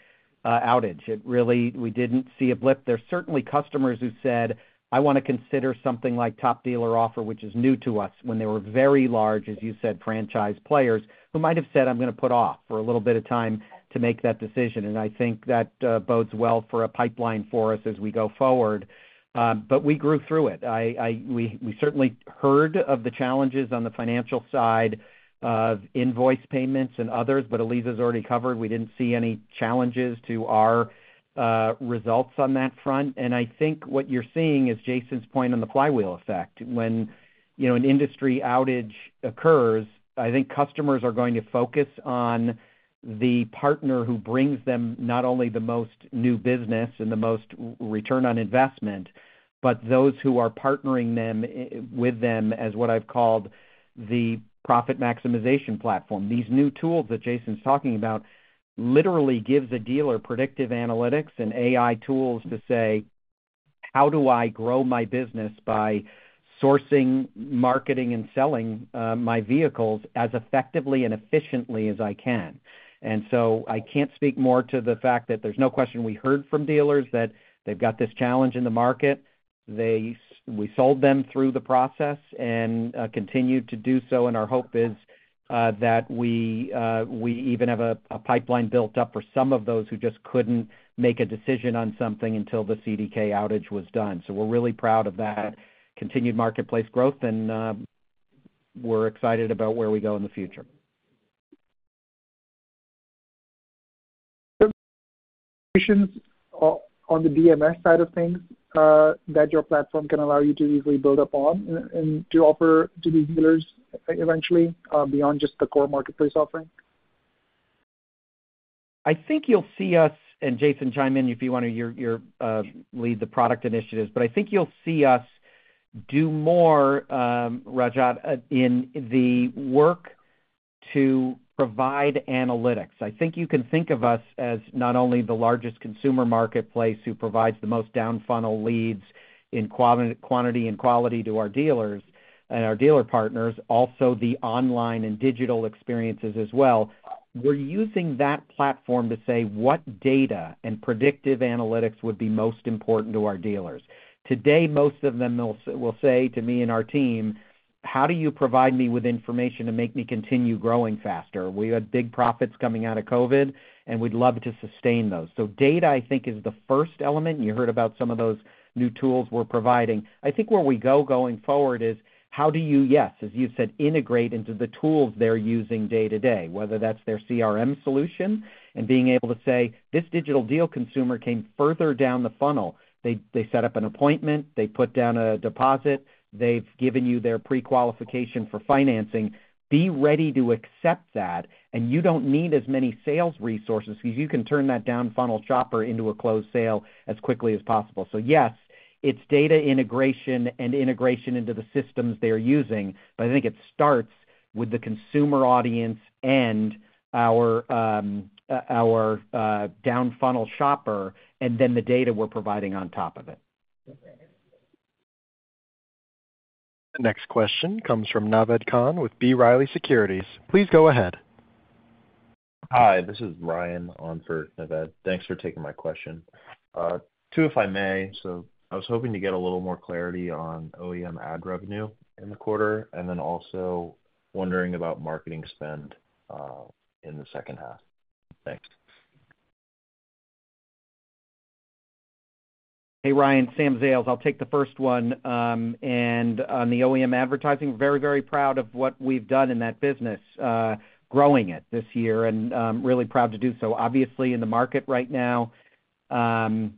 outage. It really. We didn't see a blip. There are certainly customers who said, "I want to consider something like Top Dealer Offer, which is new to us," when they were very large, as you said, franchise players, who might have said, "I'm going to put off for a little bit of time to make that decision." And I think that bodes well for a pipeline for us as we go forward. But we grew through it. We certainly heard of the challenges on the financial side of invoice payments and others, but Elisa's already covered. We didn't see any challenges to our results on that front. I think what you're seeing is Jason's point on the flywheel effect. When, you know, an industry outage occurs, I think customers are going to focus on the partner who brings them not only the most new business and the most return on investment, but those who are partnering with them, as what I've called the profit maximization platform. These new tools that Jason's talking about literally gives a dealer predictive analytics and AI tools to say: How do I grow my business by sourcing, marketing, and selling my vehicles as effectively and efficiently as I can? So I can't speak more to the fact that there's no question we heard from dealers, that they've got this challenge in the market. We sold them through the process and continued to do so, and our hope is that we even have a pipeline built up for some of those who just couldn't make a decision on something until the CDK outage was done. So we're really proud of that continued marketplace growth, and we're excited about where we go in the future.... On the DMS side of things, that your platform can allow you to easily build up on and to offer to these dealers eventually, beyond just the core marketplace offering? I think you'll see us, and Jason, chime in, if you want to, lead the product initiatives. But I think you'll see us do more, Rajat, to provide analytics. I think you can think of us as not only the largest consumer marketplace who provides the most down funnel leads in quantity and quality to our dealers and our dealer partners, also the online and digital experiences as well. We're using that platform to say what data and predictive analytics would be most important to our dealers. Today, most of them will say to me and our team: How do you provide me with information to make me continue growing faster? We had big profits coming out of COVID, and we'd love to sustain those. So data, I think, is the first element. You heard about some of those new tools we're providing. I think where we're going forward is how do you, yes, as you said, integrate into the tools they're using day to day, whether that's their CRM solution and being able to say, this Digital Deal consumer came further down the funnel. They set up an appointment, they put down a deposit, they've given you their prequalification for financing. Be ready to accept that, and you don't need as many sales resources because you can turn that down funnel shopper into a closed sale as quickly as possible. So yes, it's data integration and integration into the systems they're using, but I think it starts with the consumer audience and our down funnel shopper, and then the data we're providing on top of it. The next question comes from Naved Khan with B. Riley Securities. Please go ahead. Hi, this is Ryan on for Naved. Thanks for taking my question. Two, if I may. So I was hoping to get a little more clarity on OEM ad revenue in the quarter, and then also wondering about marketing spend in the second half. Thanks. Hey, Ryan. Sam Zales. I'll take the first one. And on the OEM advertising, very, very proud of what we've done in that business, growing it this year, and, really proud to do so. Obviously, in the market right now, the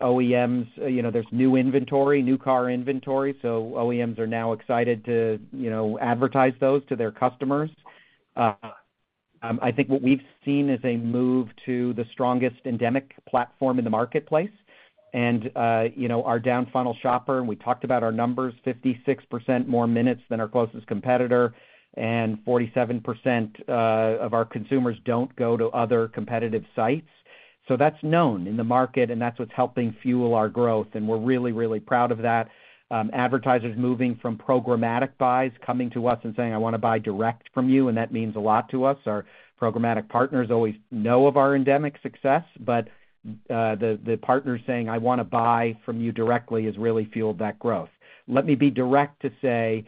OEMs, you know, there's new inventory, new car inventory, so OEMs are now excited to, you know, advertise those to their customers. I think what we've seen is a move to the strongest endemic platform in the marketplace. And, you know, our down funnel shopper, and we talked about our numbers, 56% more minutes than our closest competitor, and 47%, of our consumers don't go to other competitive sites. So that's known in the market, and that's what's helping fuel our growth, and we're really, really proud of that. Advertisers moving from programmatic buys, coming to us and saying, "I want to buy direct from you," and that means a lot to us. Our programmatic partners always know of our endemic success, but the partners saying, "I want to buy from you directly," has really fueled that growth. Let me be direct to say,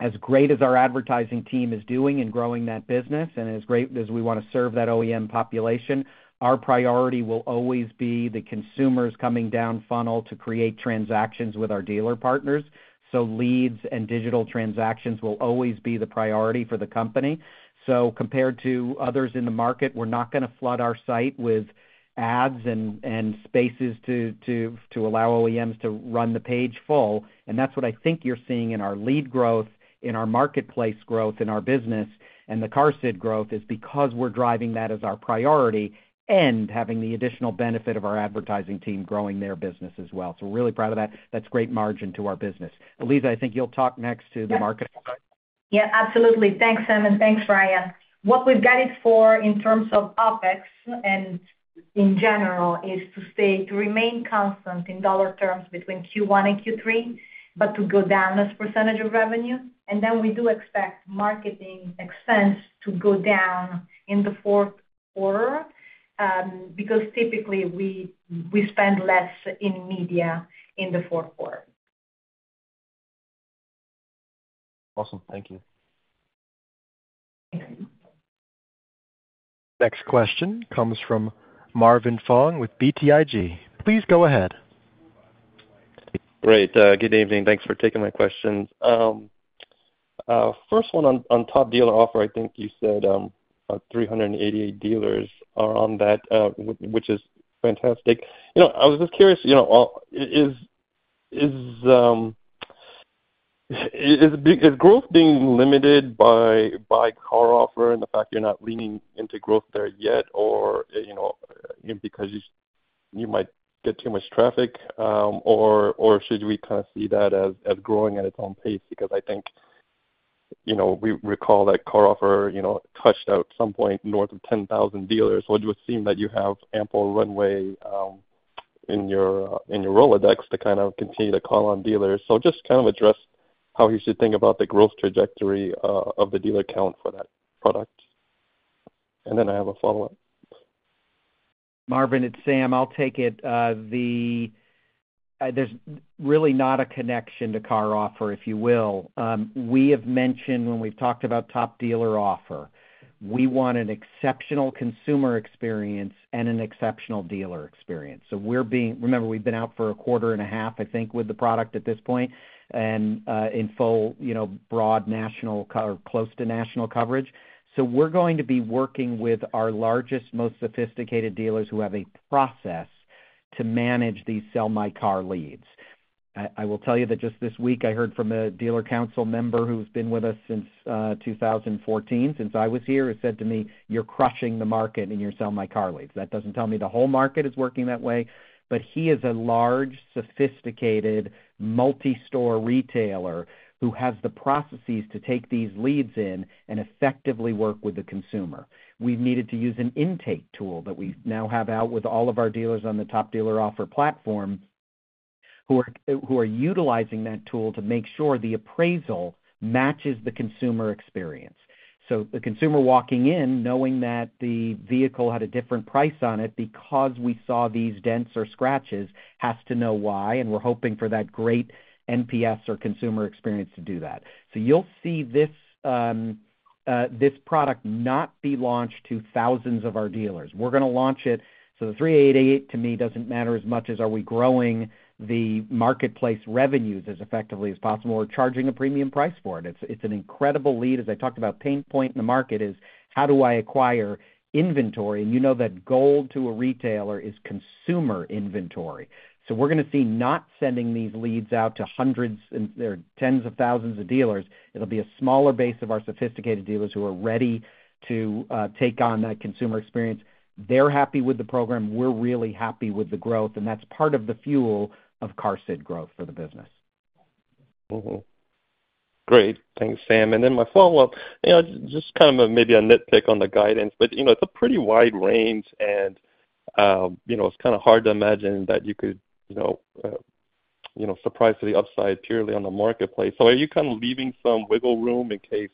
as great as our advertising team is doing in growing that business, and as great as we want to serve that OEM population, our priority will always be the consumers coming down funnel to create transactions with our dealer partners. So leads and digital transactions will always be the priority for the company. So compared to others in the market, we're not going to flood our site with ads and spaces to allow OEMs to run the page full. That's what I think you're seeing in our lead growth, in our marketplace growth, in our business, and the CarSid growth is because we're driving that as our priority and having the additional benefit of our advertising team growing their business as well. We're really proud of that. That's great margin to our business. Elisa, I think you'll talk next to the market. Yes. Yeah, absolutely. Thanks, Sam, and thanks, Ryan. What we've guided for in terms of OpEx and in general is to remain constant in dollar terms between Q1 and Q3, but to go down as percentage of revenue. Then we do expect marketing expense to go down in the fourth quarter because typically we spend less in media in the fourth quarter. Awesome. Thank you. Next question comes from Marvin Fong with BTIG. Please go ahead. Great. Good evening, thanks for taking my questions. First one on Top Dealer Offer, I think you said 388 dealers are on that, which is fantastic. You know, I was just curious, you know, is growth being limited by CarOffer and the fact you're not leaning into growth there yet, or, you know, because you might get too much traffic, or should we kind of see that as growing at its own pace? Because I think, you know, we recall that CarOffer, you know, tapped out some point north of 10,000 dealers. So it would seem that you have ample runway, in your Rolodex to kind of continue to call on dealers. So just kind of address how we should think about the growth trajectory of the dealer count for that product. And then I have a follow-up. Marvin, it's Sam. I'll take it. There's really not a connection to CarOffer, if you will. We have mentioned when we've talked about Top Dealer Offers, we want an exceptional consumer experience and an exceptional dealer experience. So we're being, remember, we've been out for a quarter and a half, I think, with the product at this point, and in full, you know, broad national cover, close to national coverage. So we're going to be working with our largest, most sophisticated dealers who have a process-... to manage these Sell My Car leads. I, I will tell you that just this week, I heard from a dealer council member who's been with us since 2014, since I was here, who said to me, "You're crushing the market in your Sell My Car leads." That doesn't tell me the whole market is working that way, but he is a large, sophisticated, multi-store retailer who has the processes to take these leads in and effectively work with the consumer. We've needed to use an intake tool that we now have out with all of our dealers on the Top Dealer Offer platform, who are, who are utilizing that tool to make sure the appraisal matches the consumer experience. So the consumer walking in knowing that the vehicle had a different price on it because we saw these dents or scratches, has to know why, and we're hoping for that great NPS or consumer experience to do that. So you'll see this, this product not be launched to thousands of our dealers. We're gonna launch it... So the 388 to me doesn't matter as much as are we growing the marketplace revenues as effectively as possible or charging a premium price for it? It's, it's an incredible lead. As I talked about, pain point in the market is, how do I acquire inventory? And you know that gold to a retailer is consumer inventory. So we're gonna see not sending these leads out to hundreds, and they're tens of thousands of dealers. It'll be a smaller base of our sophisticated dealers who are ready to take on that consumer experience. They're happy with the program, we're really happy with the growth, and that's part of the fuel of CarGurus growth for the business. Mm-hmm. Great. Thanks, Sam. Then my follow-up, you know, just kind of maybe a nitpick on the guidance, but, you know, it's a pretty wide range, and, you know, it's kind of hard to imagine that you could, you know, surprise to the upside purely on the marketplace. So are you kind of leaving some wiggle room in case,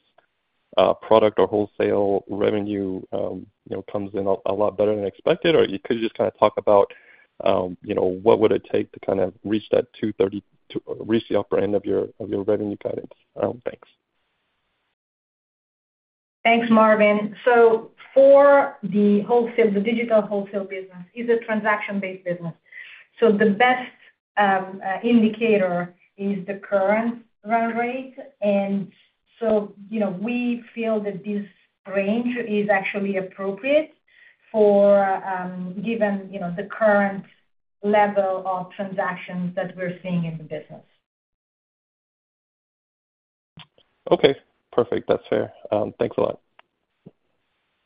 product or wholesale revenue, you know, comes in a lot better than expected? Or you could just kind of talk about, you know, what would it take to kind of reach that $230, to reach the upper end of your, of your revenue guidance? Thanks. Thanks, Marvin. So for the wholesale, the digital wholesale business, is a transaction-based business. So the best indicator is the current run rate. And so, you know, we feel that this range is actually appropriate for, given, you know, the current level of transactions that we're seeing in the business. Okay, perfect. That's fair. Thanks a lot.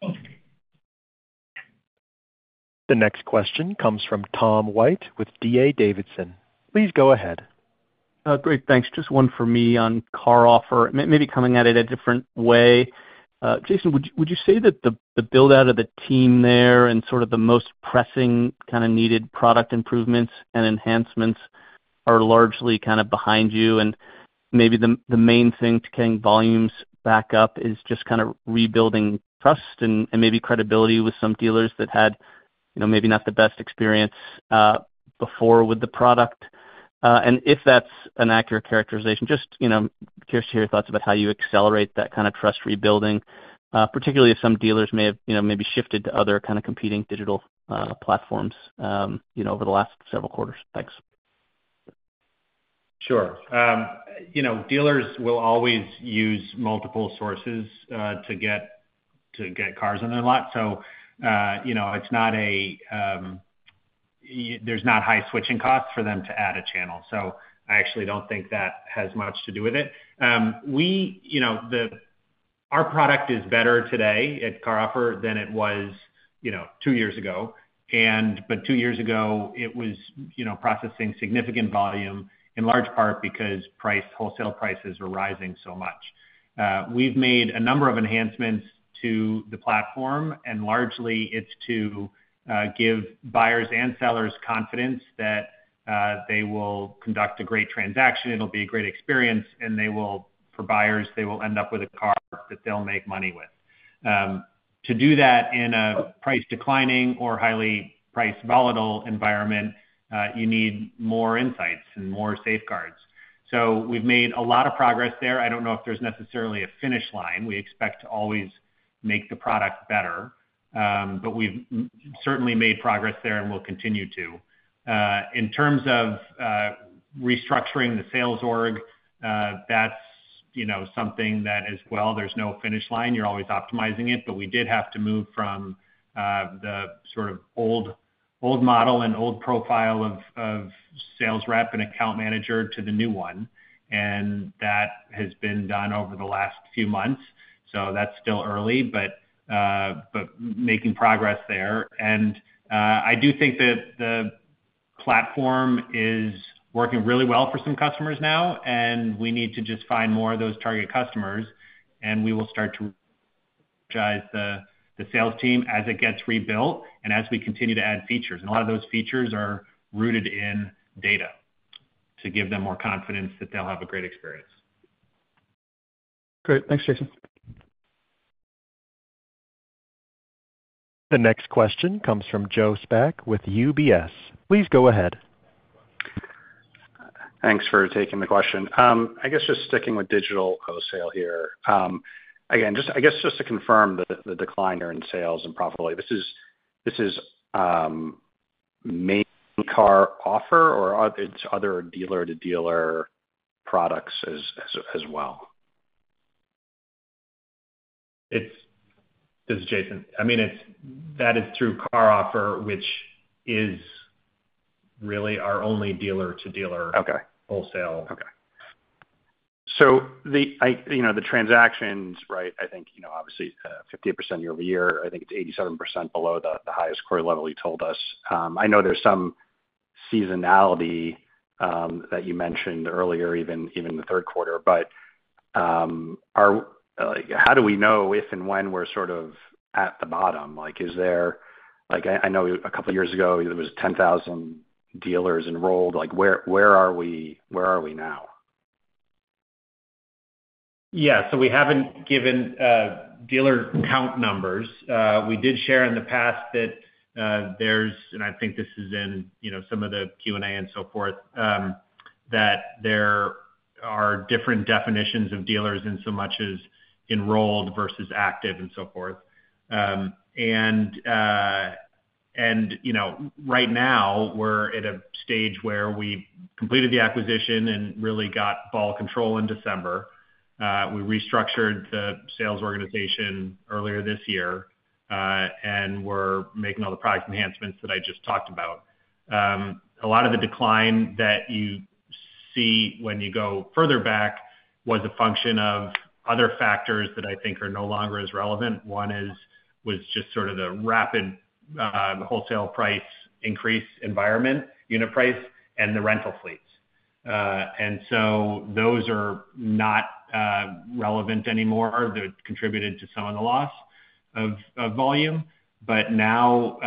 Okay. The next question comes from Tom White, with D.A. Davidson. Please go ahead. Great, thanks. Just one for me on CarOffer. Maybe coming at it a different way. Jason, would you, would you say that the build-out of the team there and sort of the most pressing kind of needed product improvements and enhancements are largely kind of behind you, and maybe the main thing to getting volumes back up is just kind of rebuilding trust and maybe credibility with some dealers that had, you know, maybe not the best experience before with the product? And if that's an accurate characterization, just, you know, curious to hear your thoughts about how you accelerate that kind of trust rebuilding, particularly if some dealers may have, you know, maybe shifted to other kind of competing digital platforms, you know, over the last several quarters. Thanks. Sure. You know, dealers will always use multiple sources to get cars on their lot. So, you know, it's not a. There's not high switching costs for them to add a channel, so I actually don't think that has much to do with it. We, you know, our product is better today at CarOffer than it was, you know, 2 years ago. But 2 years ago, it was, you know, processing significant volume, in large part because price, wholesale prices were rising so much. We've made a number of enhancements to the platform, and largely it's to give buyers and sellers confidence that they will conduct a great transaction, it'll be a great experience, and they will, for buyers, they will end up with a car that they'll make money with. To do that in a price declining or highly price volatile environment, you need more insights and more safeguards. So we've made a lot of progress there. I don't know if there's necessarily a finish line. We expect to always make the product better, but we've certainly made progress there and will continue to. In terms of restructuring the sales org, that's, you know, something that as well, there's no finish line. You're always optimizing it. But we did have to move from the sort of old, old model and old profile of sales rep and account manager to the new one, and that has been done over the last few months. So that's still early, but The next question comes from Joe Spak with UBS. Please go ahead. Thanks for taking the question. I guess just sticking with digital wholesale here. Again, just, I guess, just to confirm the decline here in sales and profitability, this is mainly CarOffer or it's other dealer-to-dealer products as well?... This is Jason. I mean, it's that is through CarOffer, which is really our only dealer-to-dealer- Okay. -wholesale. Okay. So you know, the transactions, right? I think, you know, obviously, 58% year-over-year, I think it's 87% below the highest quarter level you told us. I know there's some seasonality that you mentioned earlier, even in the third quarter. But, are—like, how do we know if and when we're sort of at the bottom? Like, is there... Like, I know a couple of years ago, there was 10,000 dealers enrolled. Like, where are we? Where are we now? Yeah, so we haven't given dealer count numbers. We did share in the past that there's, and I think this is in, you know, some of the Q&A and so forth, that there are different definitions of dealers in so much as enrolled versus active and so forth. You know, right now, we're at a stage where we completed the acquisition and really got full control in December. We restructured the sales organization earlier this year, and we're making all the product enhancements that I just talked about. A lot of the decline that you see when you go further back was a function of other factors that I think are no longer as relevant. One is, was just sort of the rapid wholesale price increase environment, unit price, and the rental fleets. And so those are not relevant anymore. They contributed to some of the loss of volume. But now,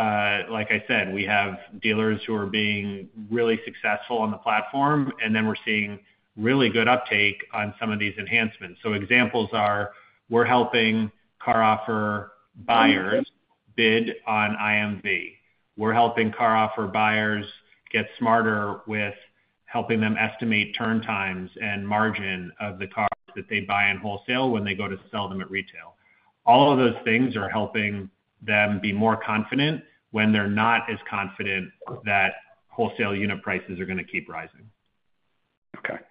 like I said, we have dealers who are being really successful on the platform, and then we're seeing really good uptake on some of these enhancements. So examples are: we're helping CarOffer buyers bid on IMV. We're helping CarOffer buyers get smarter with helping them estimate turn times and margin of the cars that they buy in wholesale when they go to sell them at retail. All of those things are helping them be more confident when they're not as confident that wholesale unit prices are gonna keep rising.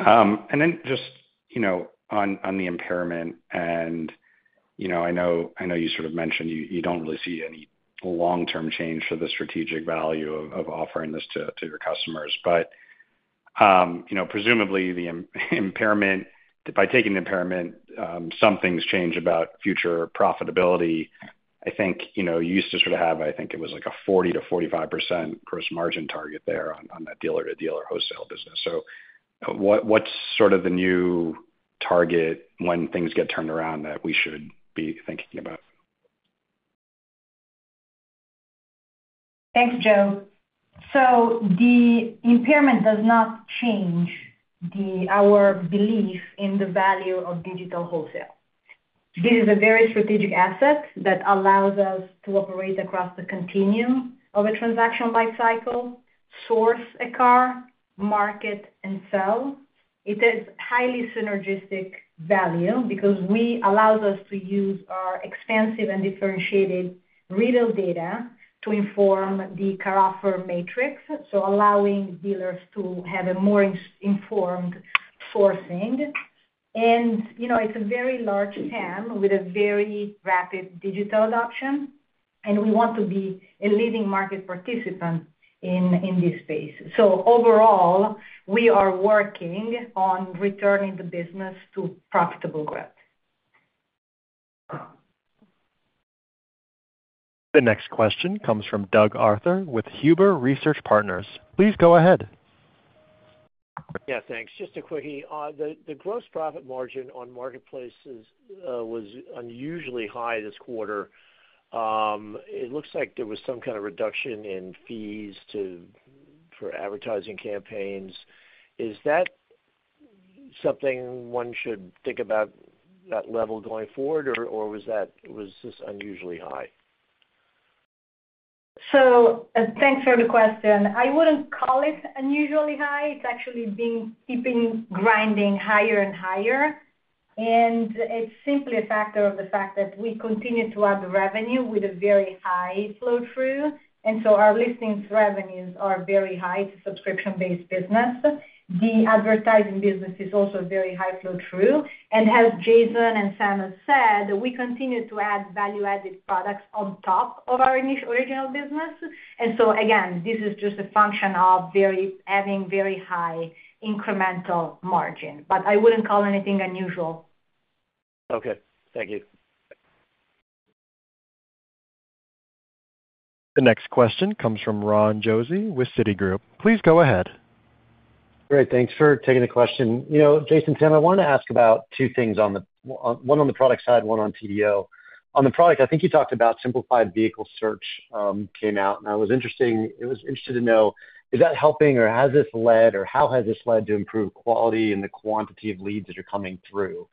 Okay. And then just, you know, on, on the impairment and, you know, I know, I know you sort of mentioned you, you don't really see any long-term change for the strategic value of, of offering this to, to your customers. But, you know, presumably, the impairment, by taking the impairment, some things change about future profitability. I think, you know, you used to sort of have, I think it was like a 40%-45% gross margin target there on, on that dealer to dealer wholesale business. So what, what's sort of the new target when things get turned around that we should be thinking about? Thanks, Joe. So the impairment does not change our belief in the value of digital wholesale. This is a very strategic asset that allows us to operate across the continuum of a transaction lifecycle, source a car, market, and sell. It is highly synergistic value because it allows us to use our expansive and differentiated retail data to inform the CarOffer Matrix, so allowing dealers to have a more informed sourcing. And, you know, it's a very large TAM with a very rapid digital adoption, and we want to be a leading market participant in, in this space. So overall, we are working on returning the business to profitable growth. The next question comes from Doug Arthur with Huber Research Partners. Please go ahead. Yeah, thanks. Just a quickie. The gross profit margin on marketplaces was unusually high this quarter. It looks like there was some kind of reduction in fees for advertising campaigns. Is that something one should think about that level going forward, or was this unusually high? So thanks for the question. I wouldn't call it unusually high. It's actually been keeping grinding higher and higher, and it's simply a factor of the fact that we continue to add revenue with a very high flow-through, and so our listings revenues are very high to subscription-based business. The advertising business is also very high flow-through, and as Jason and Sam said, we continue to add value-added products on top of our original business. And so again, this is just a function of very, having very high incremental margin, but I wouldn't call anything unusual. Okay. Thank you. The next question comes from Ron Josey with Citigroup. Please go ahead. Great, thanks for taking the question. You know, Jason, Sam, I want to ask about two things on the... On, one on the product side, one on TDO. On the product, I think you talked about simplified vehicle search, came out, and I was interested to know, is that helping or has this led, or how has this led to improved quality and the quantity of leads that are coming through?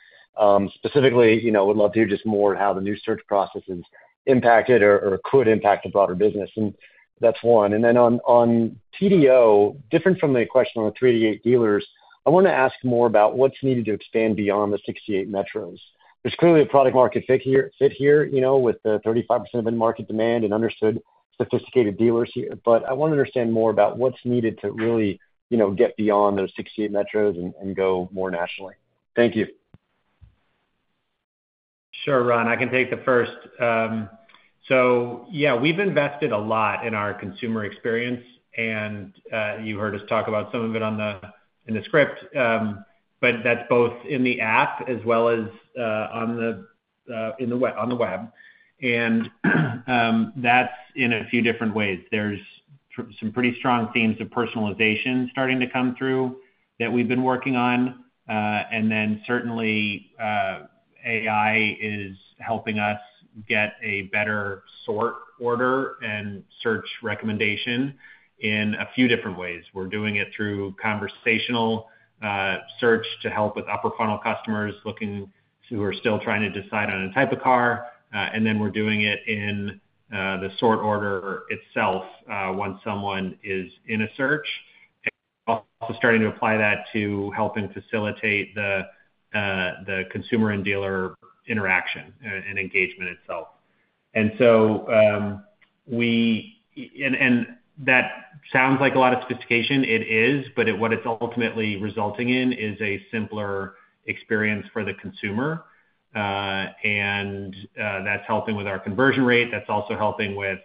Specifically, you know, would love to hear just more how the new search process has impacted or, or could impact the broader business. And that's one. And then on, on TDO, different from the question on the 3 to 8 dealers, I wanna ask more about what's needed to expand beyond the 68 metros. There's clearly a product market fit here, you know, with the 35% of market demand and understood-... sophisticated dealers here, but I want to understand more about what's needed to really, you know, get beyond those 68 metros and go more nationally. Thank you. Sure, Ron, I can take the first. So yeah, we've invested a lot in our consumer experience, and you heard us talk about some of it on the, in the script. But that's both in the app as well as on the web. And that's in a few different ways. There's some pretty strong themes of personalization starting to come through that we've been working on. And then certainly, AI is helping us get a better sort, order, and search recommendation in a few different ways. We're doing it through conversational search to help with upper funnel customers looking to who are still trying to decide on a type of car. And then we're doing it in the sort order itself once someone is in a search. And also starting to apply that to helping facilitate the consumer and dealer interaction and engagement itself. And so, and that sounds like a lot of sophistication. It is, but what it's ultimately resulting in is a simpler experience for the consumer. That's helping with our conversion rate. That's also helping with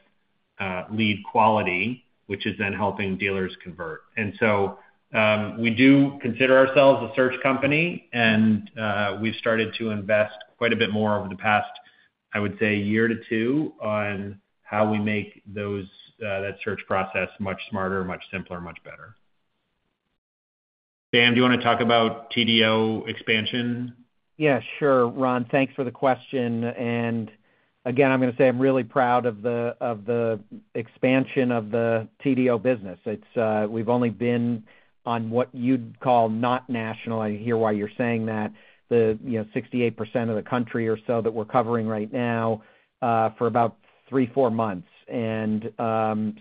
lead quality, which is then helping dealers convert. And so, we do consider ourselves a search company, and we've started to invest quite a bit more over the past, I would say, 1 to 2, on how we make those that search process much smarter, much simpler, much better. Sam, do you wanna talk about TDO expansion? Yeah, sure, Ron. Thanks for the question, and again, I'm gonna say I'm really proud of the expansion of the TDO business. It's, we've only been on what you'd call not national. I hear why you're saying that. The, you know, 68% of the country or so that we're covering right now, for about 3-4 months. And,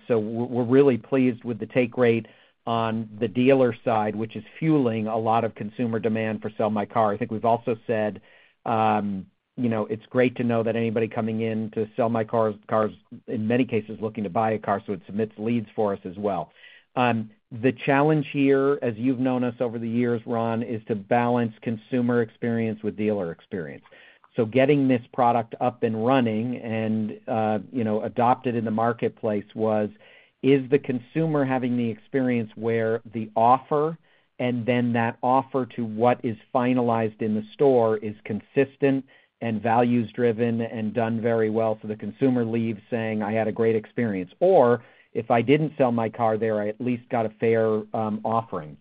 so we're really pleased with the take rate on the dealer side, which is fueling a lot of consumer demand for Sell My Car. I think we've also said, you know, it's great to know that anybody coming in to Sell My Car, in many cases, looking to buy a car, so it submits leads for us as well. The challenge here, as you've known us over the years, Ron, is to balance consumer experience with dealer experience. So getting this product up and running and, you know, adopted in the marketplace was, is the consumer having the experience where the offer and then that offer to what is finalized in the store is consistent and values-driven and done very well, so the consumer leaves saying, "I had a great experience," or, "If I didn't sell my car there, I at least got a fair offering."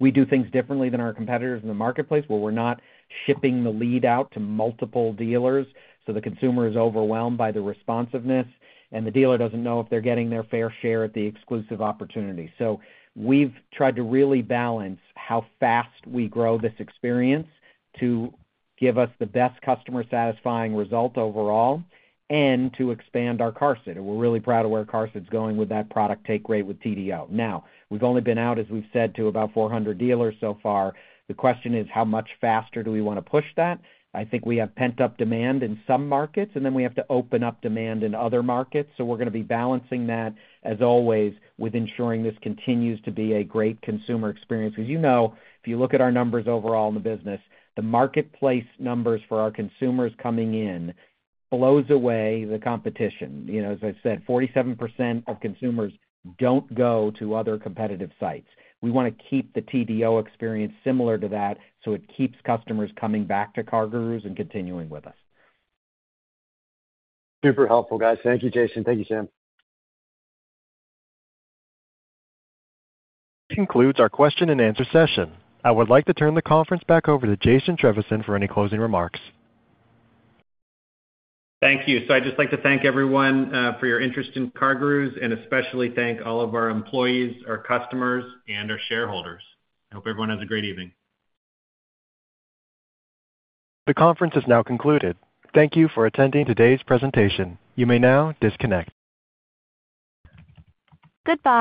We do things differently than our competitors in the marketplace, where we're not shipping the lead out to multiple dealers, so the consumer is overwhelmed by the responsiveness, and the dealer doesn't know if they're getting their fair share of the exclusive opportunity. So we've tried to really balance how fast we grow this experience to give us the best customer satisfying result overall and to expand our CarSit. We're really proud of where CarGurus is going with that product take rate with TDO. Now, we've only been out, as we've said, to about 400 dealers so far. The question is: How much faster do we wanna push that? I think we have pent-up demand in some markets, and then we have to open up demand in other markets. So we're gonna be balancing that, as always, with ensuring this continues to be a great consumer experience. Because, you know, if you look at our numbers overall in the business, the marketplace numbers for our consumers coming in blows away the competition. You know, as I've said, 47% of consumers don't go to other competitive sites. We wanna keep the TDO experience similar to that, so it keeps customers coming back to CarGurus and continuing with us. Super helpful, guys. Thank you, Jason. Thank you, Sam. This concludes our question and answer session. I would like to turn the conference back over to Jason Trevisan for any closing remarks. Thank you. So I'd just like to thank everyone, for your interest in CarGurus, and especially thank all of our employees, our customers, and our shareholders. I hope everyone has a great evening. The conference is now concluded. Thank you for attending today's presentation. You may now disconnect. Goodbye.